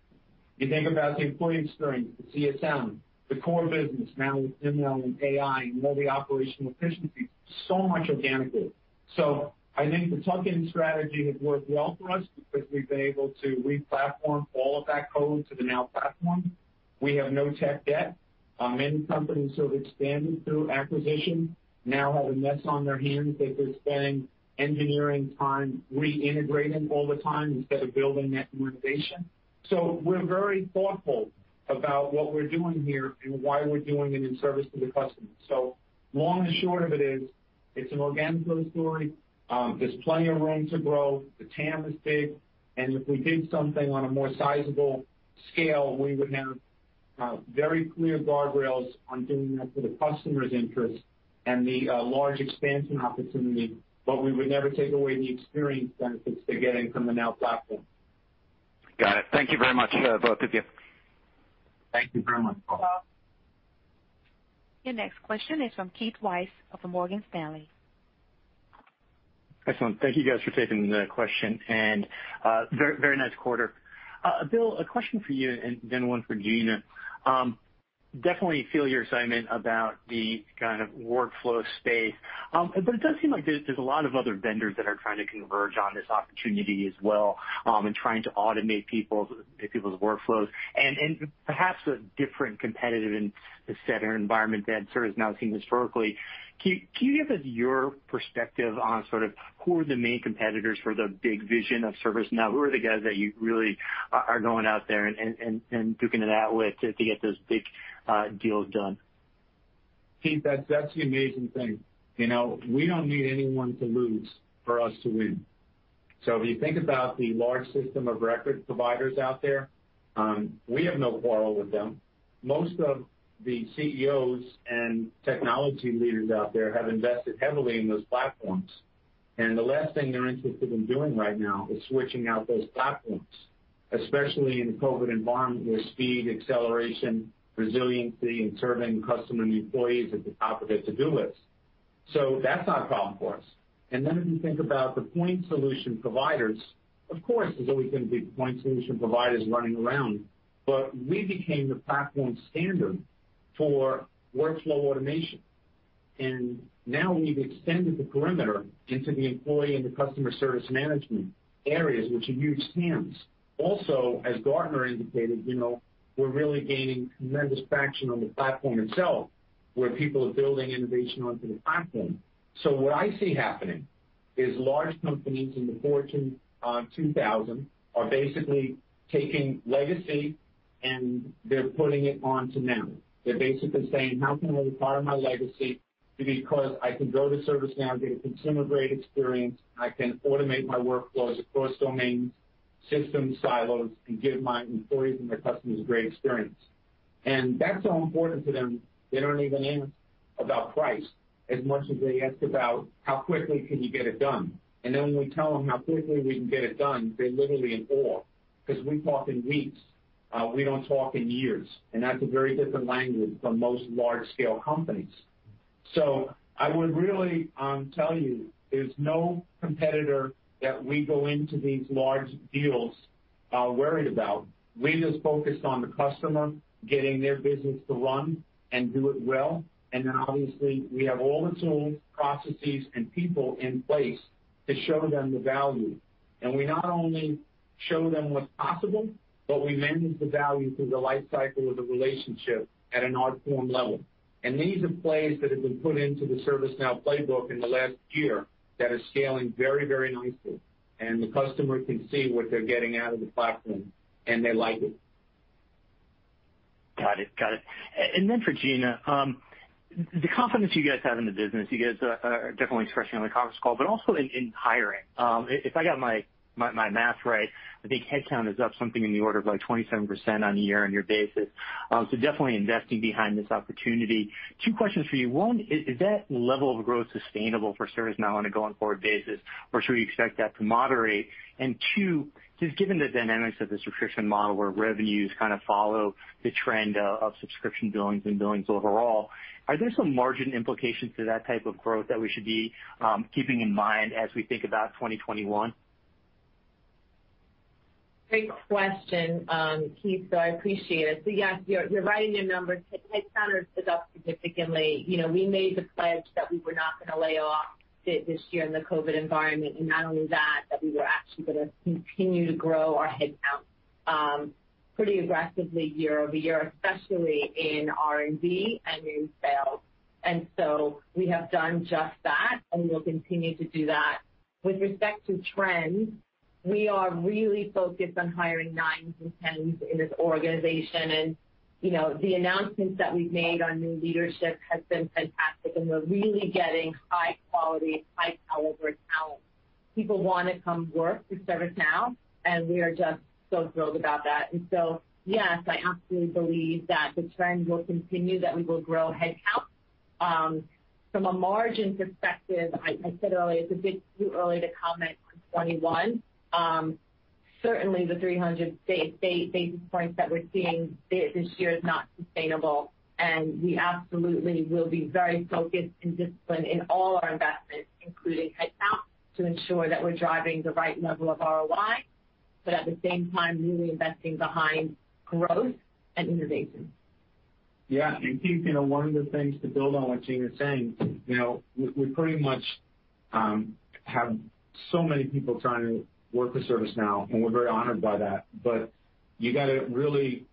You think about the employee experience, the CSM, the core business, now with ML and AI and all the operational efficiency, so much organically. I think the tuck-in strategy has worked well for us because we've been able to re-platform all of that code to the Now Platform. We have no tech debt. Many companies who have expanded through acquisition now have a mess on their hands that they're spending engineering time reintegrating all the time instead of building net new innovation. We're very thoughtful about what we're doing here and why we're doing it in service to the customer. Long and short of it is. It's an organic growth story. There's plenty of room to grow. The TAM is big, and if we did something on a more sizable scale, we would have very clear guardrails on doing that for the customer's interest and the large expansion opportunity, but we would never take away the experience benefits they're getting from the Now Platform. Got it. Thank you very much, both of you. Thank you very much, Karl. Your next question is from Keith Weiss of Morgan Stanley. Excellent. Thank you guys for taking the question, and very nice quarter. Bill, a question for you and then one for Gina. It does seem like there's a lot of other vendors that are trying to converge on this opportunity as well, and trying to automate people's workflows and perhaps a different competitive set or environment than ServiceNow has seen historically. Can you give us your perspective on sort of who are the main competitors for the big vision of ServiceNow? Who are the guys that you really are going out there and duking it out with to get those big deals done? Keith, that's the amazing thing. We don't need anyone to lose for us to win. If you think about the large system-of-record providers out there, we have no quarrel with them. Most of the CEOs and technology leaders out there have invested heavily in those platforms, and the last thing they're interested in doing right now is switching out those platforms, especially in a COVID environment where speed, acceleration, resiliency, and serving customer and employees is at the top of their to-do list. That's not a problem for us. If you think about the point solution providers, of course, there's always going to be point solution providers running around. We became the platform standard for workflow automation. Now we've extended the perimeter into the employee and the Customer Service Management areas, which are huge TAMs. As Gartner indicated, we're really gaining tremendous traction on the platform itself, where people are building innovation onto the platform. What I see happening is large companies in the Fortune 2,000 are basically taking legacy, and they're putting it onto Now. They're basically saying, "How can I retire my legacy? Because I can go to ServiceNow, get a consumer-grade experience, I can automate my workflows across domains, system silos, and give my employees and my customers a great experience." That's so important to them, they don't even ask about price as much as they ask about how quickly can you get it done. When we tell them how quickly we can get it done, they're literally in awe because we talk in weeks. We don't talk in years, and that's a very different language from most large-scale companies. I would really tell you, there's no competitor that we go into these large deals worried about. We're just focused on the customer getting their business to run and do it well. Then obviously, we have all the tools, processes, and people in place to show them the value. We not only show them what's possible, but we manage the value through the life cycle of the relationship at an art form level. These are plays that have been put into the ServiceNow playbook in the last year that are scaling very nicely. The customer can see what they're getting out of the platform, and they like it. Got it. Then for Gina, the confidence you guys have in the business, you guys are definitely expressing on the conference call, but also in hiring. If I got my math right, I think headcount is up something in the order of like 27% on a year-on-year basis. Definitely investing behind this opportunity. Two questions for you. One, is that level of growth sustainable for ServiceNow on a going-forward basis, or should we expect that to moderate? Two, just given the dynamics of the subscription model where revenues kind of follow the trend of subscription billings and billings overall, are there some margin implications to that type of growth that we should be keeping in mind as we think about 2021? Great question, Keith. I appreciate it. Yes, you're right in your numbers. Headcount is up significantly. We made the pledge that we were not going to lay off this year in the COVID-19 environment. Not only that we were actually going to continue to grow our headcount pretty aggressively year-over-year, especially in R&D and in sales. We have done just that, and we'll continue to do that. With respect to trends, we are really focused on hiring nines and tens in this organization. The announcements that we've made on new leadership has been fantastic, and we're really getting high-quality, high-caliber talent. People want to come work for ServiceNow, and we are just so thrilled about that. Yes, I absolutely believe that the trend will continue, that we will grow headcount. From a margin perspective, I said earlier, it's a bit too early to comment on 2021. Certainly, the 300 basis points that we're seeing this year is not sustainable, and we absolutely will be very focused and disciplined in all our investments, including headcount, to ensure that we're driving the right level of ROI, but at the same time, really investing behind growth and innovation. Yeah. Keith, one of the things to build on what Gina's saying, we pretty much have so many people trying to work for ServiceNow, and we're very honored by that. You got to really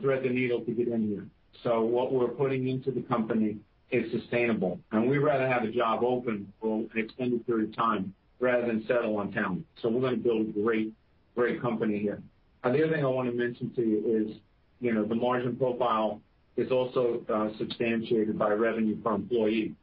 thread the needle to get in here. What we're putting into the company is sustainable. We'd rather have a job open for an extended period of time rather than settle on talent. We're going to build a great company here. The other thing I want to mention to you is the margin profile is also substantiated by revenue per employee.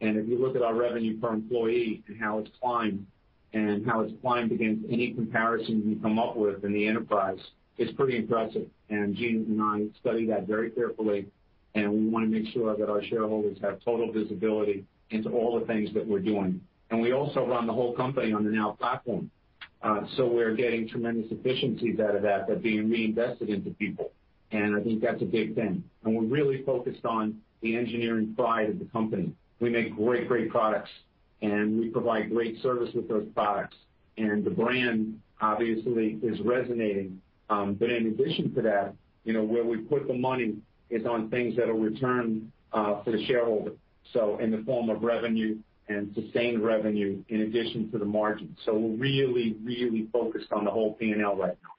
If you look at our revenue per employee and how it's climbed, and how it's climbed against any comparison you come up with in the enterprise, it's pretty impressive. Gina and I study that very carefully, and we want to make sure that our shareholders have total visibility into all the things that we're doing. We also run the whole company on the Now Platform. We're getting tremendous efficiencies out of that are being reinvested into people. I think that's a big thing. We're really focused on the engineering side of the company. We make great products, and we provide great service with those products, and the brand, obviously, is resonating. In addition to that, where we put the money is on things that'll return for the shareholder, so in the form of revenue and sustained revenue in addition to the margin. We're really focused on the whole P&L right now.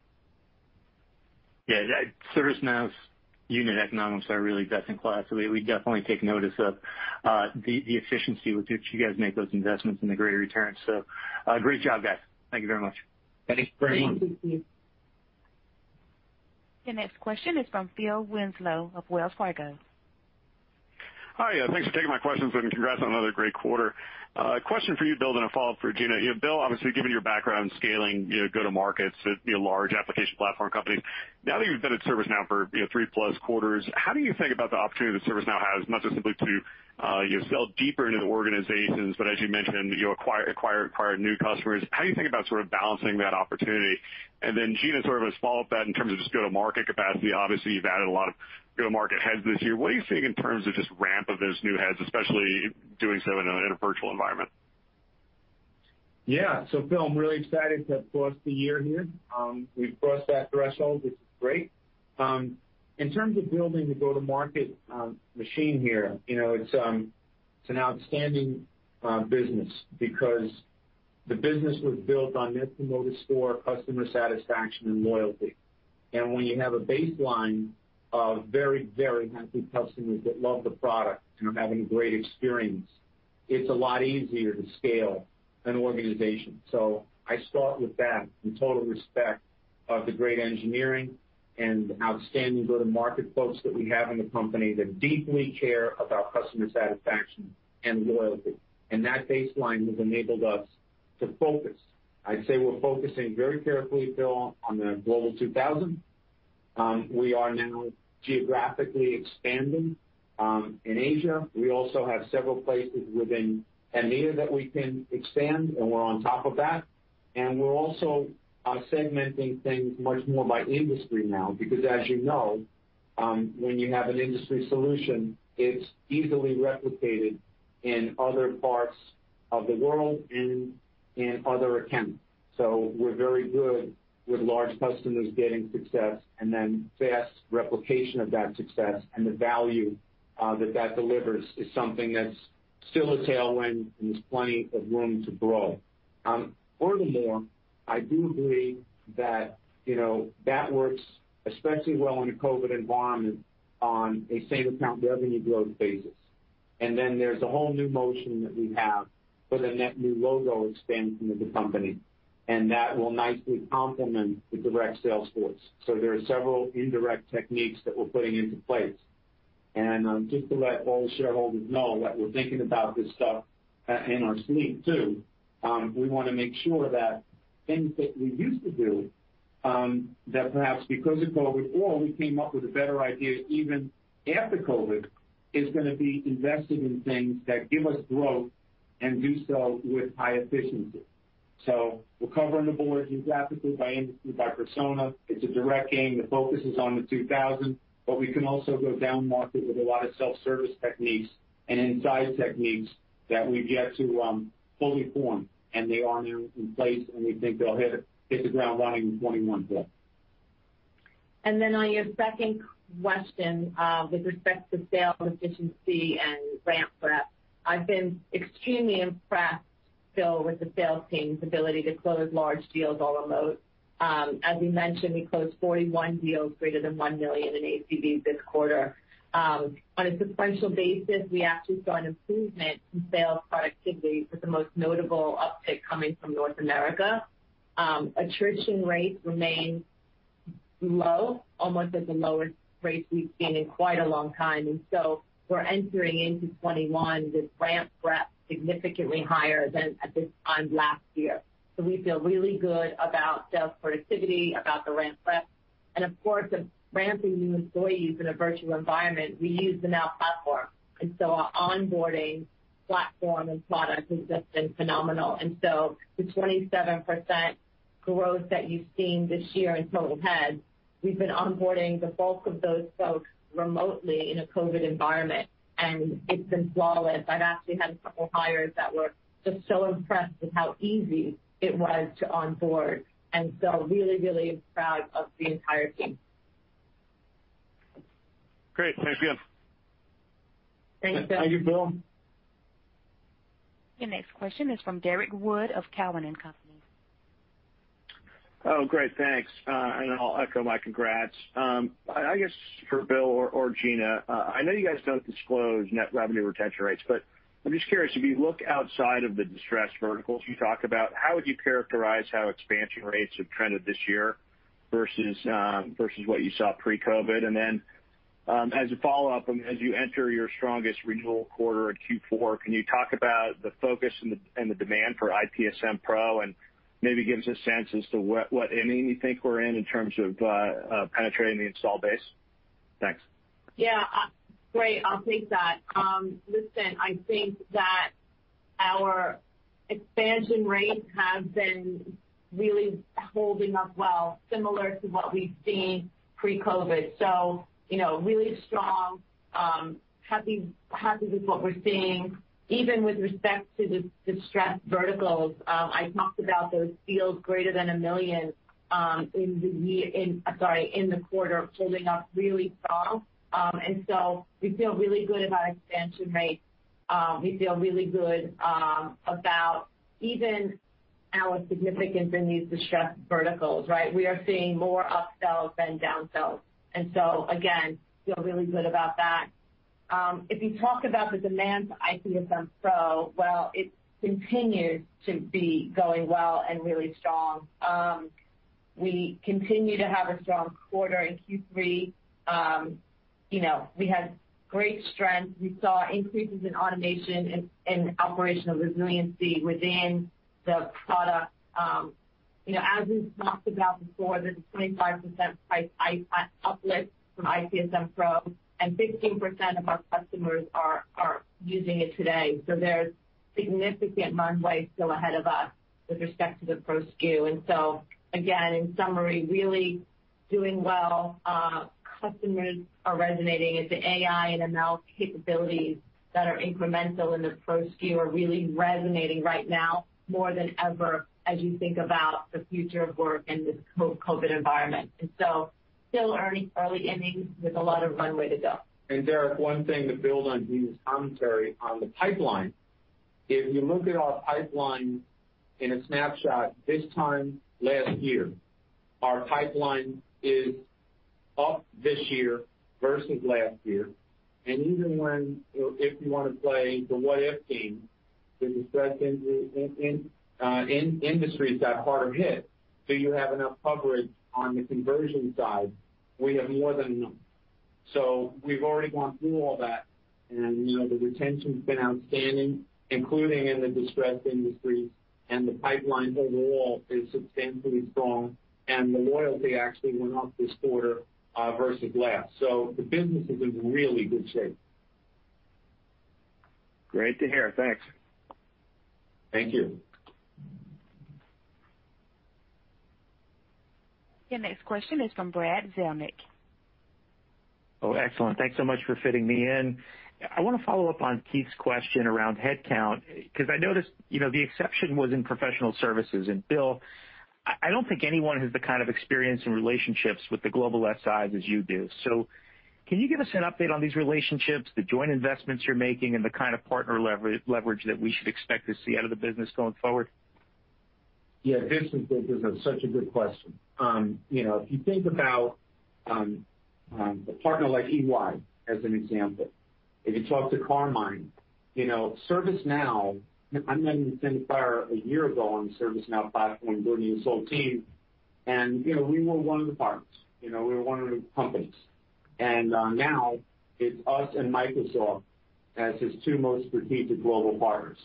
Yeah. ServiceNow's unit economics are really best in class. We definitely take notice of the efficiency with which you guys make those investments and the greater returns. Great job, guys. Thank you very much. Eddie, great to be on. Thank you. Your next question is from Phil Winslow of Wells Fargo. Hi, thanks for taking my questions, and congrats on another great quarter. Question for you, Bill, then a follow-up for Gina. Bill, obviously, given your background in scaling go-to-markets at large application platform companies, now that you've been at ServiceNow for three plus quarters, how do you think about the opportunity that ServiceNow has, not just simply to sell deeper into the organizations, but as you mentioned, you acquire new customers. Gina, sort of as a follow-up to that in terms of just go-to-market capacity. Obviously, you've added a lot of go-market heads this year. What are you seeing in terms of just ramp of those new heads, especially doing so in a virtual environment? Yeah. Phil, I'm really excited to have crossed the year here. We've crossed that threshold, which is great. In terms of building the go-to-market machine here, it's an outstanding business because the business was built on net promoter score, customer satisfaction, and loyalty. When you have a baseline of very happy customers that love the product and are having a great experience, it's a lot easier to scale an organization. I start with that in total respect of the great engineering and outstanding go-to-market folks that we have in the company that deeply care about customer satisfaction and loyalty. That baseline has enabled us to focus. I'd say we're focusing very carefully, Phil, on the Global 2000. We are now geographically expanding in Asia. We also have several places within EMEA that we can expand, we're on top of that. We're also segmenting things much more by industry now, because as you know, when you have an industry solution, it's easily replicated in other parts of the world and in other accounts. We're very good with large customers getting success and then fast replication of that success and the value that delivers is something that's still a tailwind, and there's plenty of room to grow. Furthermore, I do believe that works especially well in a COVID environment on a same account revenue growth basis. Then there's a whole new motion that we have for the net new logo expansion of the company, and that will nicely complement the direct sales force. There are several indirect techniques that we're putting into place. Just to let all the shareholders know that we're thinking about this stuff in our sleep too. We want to make sure that things that we used to do, that perhaps because of COVID, or we came up with a better idea even after COVID, is going to be invested in things that give us growth and do so with high efficiency. We're covering the board geographically, by industry, by persona. It's a direct game. The focus is on the 2000, but we can also go downmarket with a lot of self-service techniques and inside techniques that we've yet to fully form, and they are now in place, and we think they'll hit the ground running in 2021, Phil. On your second question, with respect to sales efficiency and ramp-up, I've been extremely impressed, Phil, with the sales team's ability to close large deals all remote. As we mentioned, we closed 41 deals greater than $1 million in ACV this quarter. On a sequential basis, we actually saw an improvement in sales productivity with the most notable uptick coming from North America. Attrition rates remain low, almost at the lowest rates we've seen in quite a long time. We're entering into 2021 with ramp rep significantly higher than at this time last year. We feel really good about sales productivity, about the ramp rep, and of course, ramping new employees in a virtual environment. We use the Now Platform, and so our onboarding platform and product has just been phenomenal. The 27% growth that you've seen this year in total heads, we've been onboarding the bulk of those folks remotely in a COVID environment, and it's been flawless. I've actually had a couple hires that were just so impressed with how easy it was to onboard, and so really proud of the entire team. Great. Thanks, Gina. Thanks, Phil. Thank you, Phil. Your next question is from Derrick Wood of Cowen and Company. Oh, great, thanks. I'll echo my congrats. I guess for Bill or Gina, I know you guys don't disclose net revenue retention rates, but I'm just curious, if you look outside of the distressed verticals you talk about, how would you characterize how expansion rates have trended this year versus what you saw pre-COVID? As a follow-up, as you enter your strongest renewal quarter at Q4, can you talk about the focus and the demand for ITSM Pro and maybe give us a sense as to what inning you think we're in terms of penetrating the install base? Thanks. Yeah. Great, I'll take that. Listen, I think that our expansion rates have been really holding up well, similar to what we've seen pre-COVID. Really strong, happy with what we're seeing. Even with respect to the distressed verticals, I talked about those deals greater than $1 million in the quarter holding up really strong. We feel really good about expansion rates. We feel really good about even our significance in these distressed verticals, right? We are seeing more upsells than downsells. Again, feel really good about that. If you talk about the demand for ITSM Pro, well, it continues to be going well and really strong. We continue to have a strong quarter in Q3. We had great strength. We saw increases in automation and operational resiliency within the product. As we've talked about before, there's a 25% price uplift from ITSM Pro, and 15% of our customers are using it today. There's significant runway still ahead of us with respect to the pro SKU. Again, in summary, really doing well. Customers are resonating. It's the AI and ML capabilities that are incremental in the pro SKU are really resonating right now more than ever as you think about the future of work in this COVID environment. Still early innings with a lot of runway to go. Derrick, one thing to build on Gina's commentary on the pipeline. If you look at our pipeline in a snapshot this time last year, our pipeline is up this year versus last year. Even when, if you want to play the what if game, the distressed industries got harder hit. Do you have enough coverage on the conversion side? We have more than enough. We've already gone through all that, and the retention's been outstanding, including in the distressed industries, and the pipeline overall is substantially strong, and the loyalty actually went up this quarter versus last. The business is in really good shape. Great to hear. Thanks. Thank you. Your next question is from Brad Zelnick. Oh, excellent. Thanks so much for fitting me in. I want to follow up on Keith's question around headcount, because I noticed the exception was in professional services. Bill, I don't think anyone has the kind of experience and relationships with the global SIs as you do. Can you give us an update on these relationships, the joint investments you're making, and the kind of partner leverage that we should expect to see out of the business going forward? Yeah, this is such a good question. If you think about a partner like EY as an example, if you talk to Carmine, ServiceNow, I met him a year ago on the ServiceNow platform building his whole team, and we were one of the partners. We were one of the companies. Now it's us and Microsoft as his two most strategic global partners.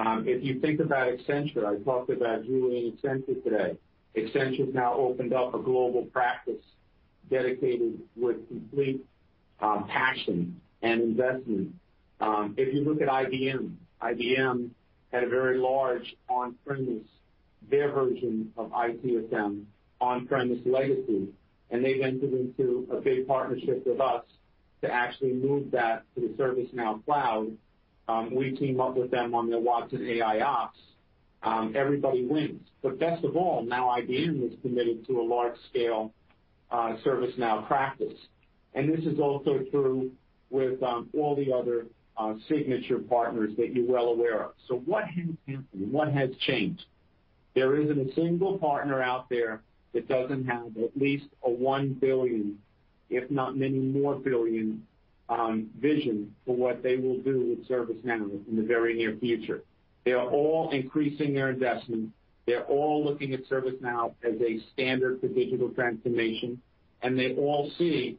If you think about Accenture, I talked about Julie in Accenture today. Accenture's now opened up a global practice dedicated with complete passion and investment. If you look at IBM had a very large on-premise, their version of ITSM on-premise legacy, and they went into a big partnership with us to actually move that to the ServiceNow cloud. We team up with them on their Watson AIOps. Everybody wins. Best of all, now IBM is committed to a large-scale ServiceNow practice. This is also true with all the other signature partners that you're well aware of. What has happened? What has changed? There isn't a single partner out there that doesn't have at least a $1 billion, if not many more billion, vision for what they will do with ServiceNow in the very near future. They are all increasing their investment. They're all looking at ServiceNow as a standard for digital transformation, and they all see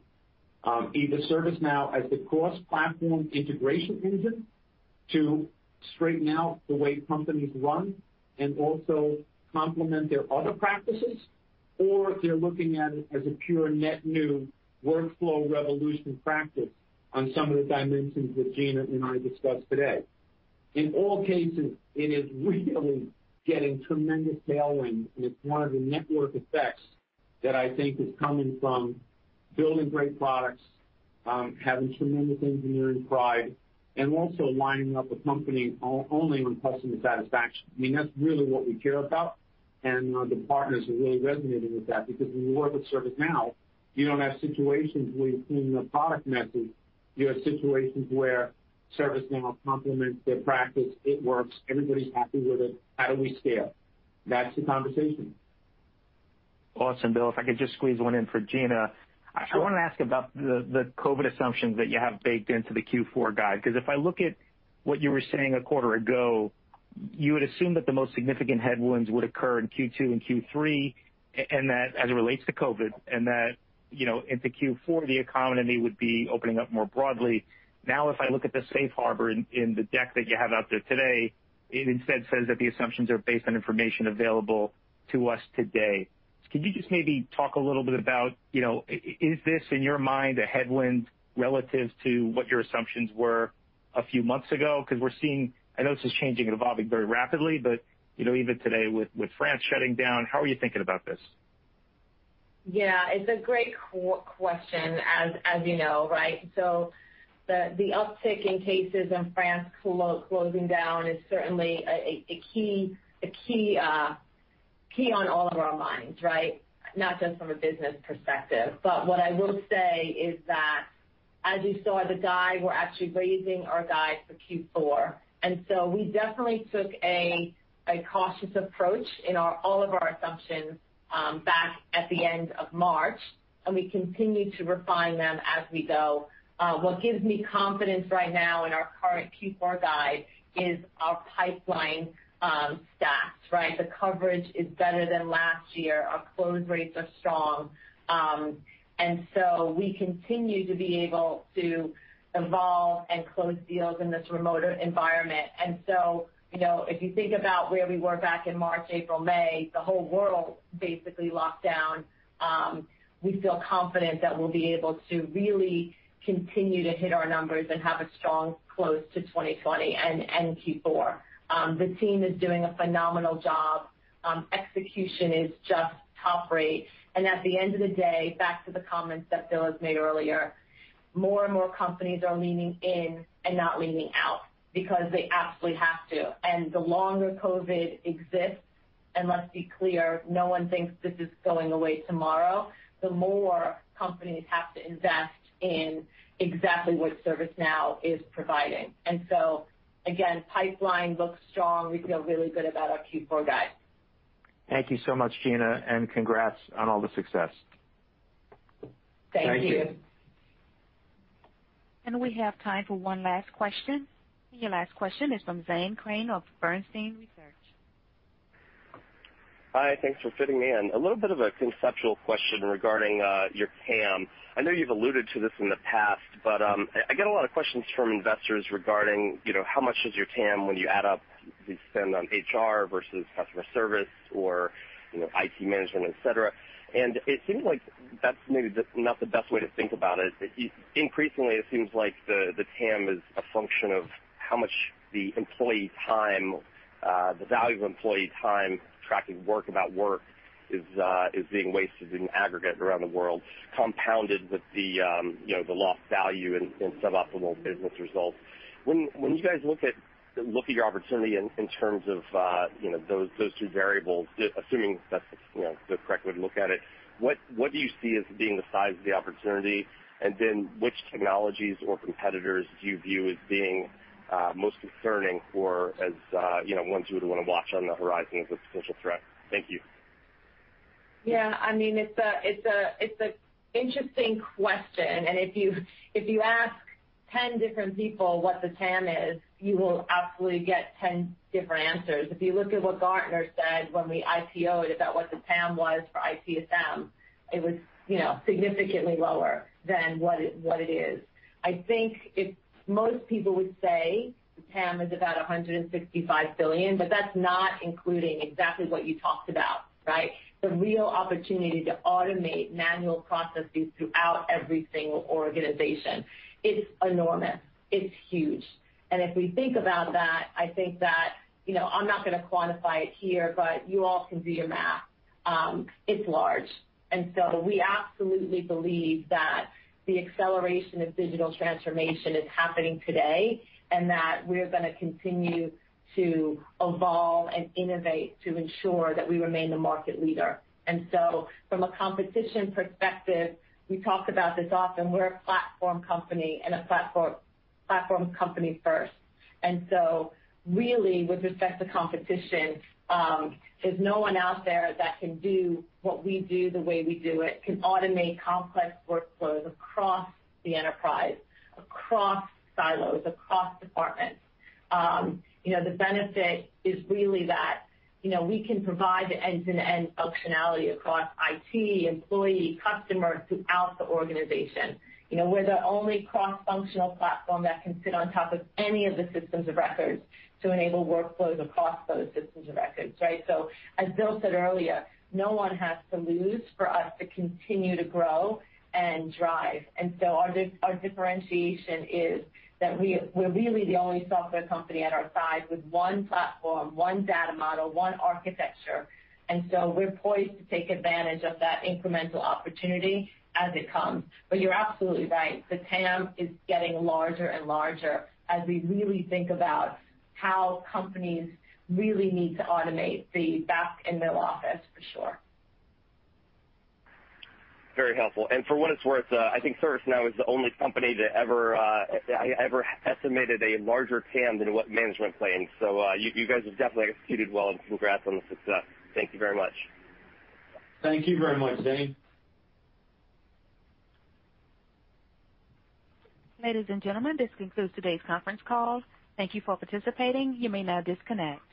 either ServiceNow as the cross-platform integration engine to straighten out the way companies run and also complement their other practices, or they're looking at it as a pure net new workflow revolution practice on some of the dimensions that Gina and I discussed today. In all cases, it is really getting tremendous tailwind, and it's one of the network effects that I think is coming from building great products, having tremendous engineering pride, and also lining up a company only on customer satisfaction. I mean, that's really what we care about, and the partners are really resonating with that because when you work with ServiceNow, you don't have situations where you clean your product message. You have situations where ServiceNow complements their practice. It works. Everybody's happy with it. How do we scale? That's the conversation. Awesome, Bill. If I could just squeeze one in for Gina. I want to ask about the COVID assumptions that you have baked into the Q4 guide. If I look at what you were saying a quarter ago, you had assumed that the most significant headwinds would occur in Q2 and Q3 as it relates to COVID, and that into Q4, the economy would be opening up more broadly. If I look at the safe harbor in the deck that you have out there today, it instead says that the assumptions are based on information available to us today. Could you just maybe talk a little bit about, is this, in your mind, a headwind relative to what your assumptions were a few months ago? I know this is changing and evolving very rapidly, but even today with France shutting down, how are you thinking about this? Yeah. It's a great question as you know. The uptick in cases and France closing down is certainly a key on all of our minds, not just from a business perspective. What I will say is that as you saw the guide, we're actually raising our guide for Q4, and so we definitely took a cautious approach in all of our assumptions back at the end of March, and we continue to refine them as we go. What gives me confidence right now in our current Q4 guide is our pipeline stats. The coverage is better than last year. Our close rates are strong. We continue to be able to evolve and close deals in this remoter environment. If you think about where we were back in March, April, May, the whole world basically locked down, we feel confident that we'll be able to really continue to hit our numbers and have a strong close to 2020 and Q4. The team is doing a phenomenal job. Execution is just top rate. At the end of the day, back to the comments that Bill has made earlier, more and more companies are leaning in and not leaning out because they absolutely have to. The longer COVID exists, and let's be clear, no one thinks this is going away tomorrow, the more companies have to invest in exactly what ServiceNow is providing. Again, pipeline looks strong. We feel really good about our Q4 guide. Thank you so much, Gina, and congrats on all the success. Thank you. Thank you. We have time for one last question. Your last question is from Zane Chrane of Bernstein Research. Hi, thanks for fitting me in. A little bit of a conceptual question regarding your TAM. I know you've alluded to this in the past, but I get a lot of questions from investors regarding how much is your TAM when you add up the spend on HR versus customer service or IT management, et cetera, and it seems like that's maybe not the best way to think about it. Increasingly, it seems like the TAM is a function of how much the value of employee time tracking work about work is being wasted in aggregate around the world, compounded with the lost value in suboptimal business results. When you guys look at your opportunity in terms of those two variables, assuming that's the correct way to look at it, what do you see as being the size of the opportunity? Which technologies or competitors do you view as being most concerning for as ones you would want to watch on the horizon as a potential threat? Thank you. Yeah. It's an interesting question, if you ask 10 different people what the TAM is, you will absolutely get 10 different answers. If you look at what Gartner said when we IPO'd about what the TAM was for ITSM, it was significantly lower than what it is. I think most people would say the TAM is about $165 billion, but that's not including exactly what you talked about: the real opportunity to automate manual processes throughout every single organization. It's enormous. It's huge. If we think about that, I think that I'm not going to quantify it here, but you all can do your math. It's large. We absolutely believe that the acceleration of digital transformation is happening today, and that we're going to continue to evolve and innovate to ensure that we remain the market leader. From a competition perspective, we talk about this often. We're a platform company and a platform company first. Really with respect to competition, there's no one out there that can do what we do the way we do it, can automate complex workflows across the enterprise, across silos, across departments. The benefit is really that we can provide the end-to-end functionality across IT, employee, customer, throughout the organization. We're the only cross-functional platform that can sit on top of any of the systems of records to enable workflows across those systems of records. As Bill said earlier, no one has to lose for us to continue to grow and drive. Our differentiation is that we're really the only software company at our size with one platform, one data model, one architecture, we're poised to take advantage of that incremental opportunity as it comes. You're absolutely right. The TAM is getting larger and larger as we really think about how companies really need to automate the back and middle office for sure. Very helpful. For what it's worth, I think ServiceNow is the only company that ever estimated a larger TAM than what management planned. You guys have definitely executed well, and congrats on the success. Thank you very much. Thank you very much, Zane. Ladies and gentlemen, this concludes today's conference call. Thank you for participating. You may now disconnect.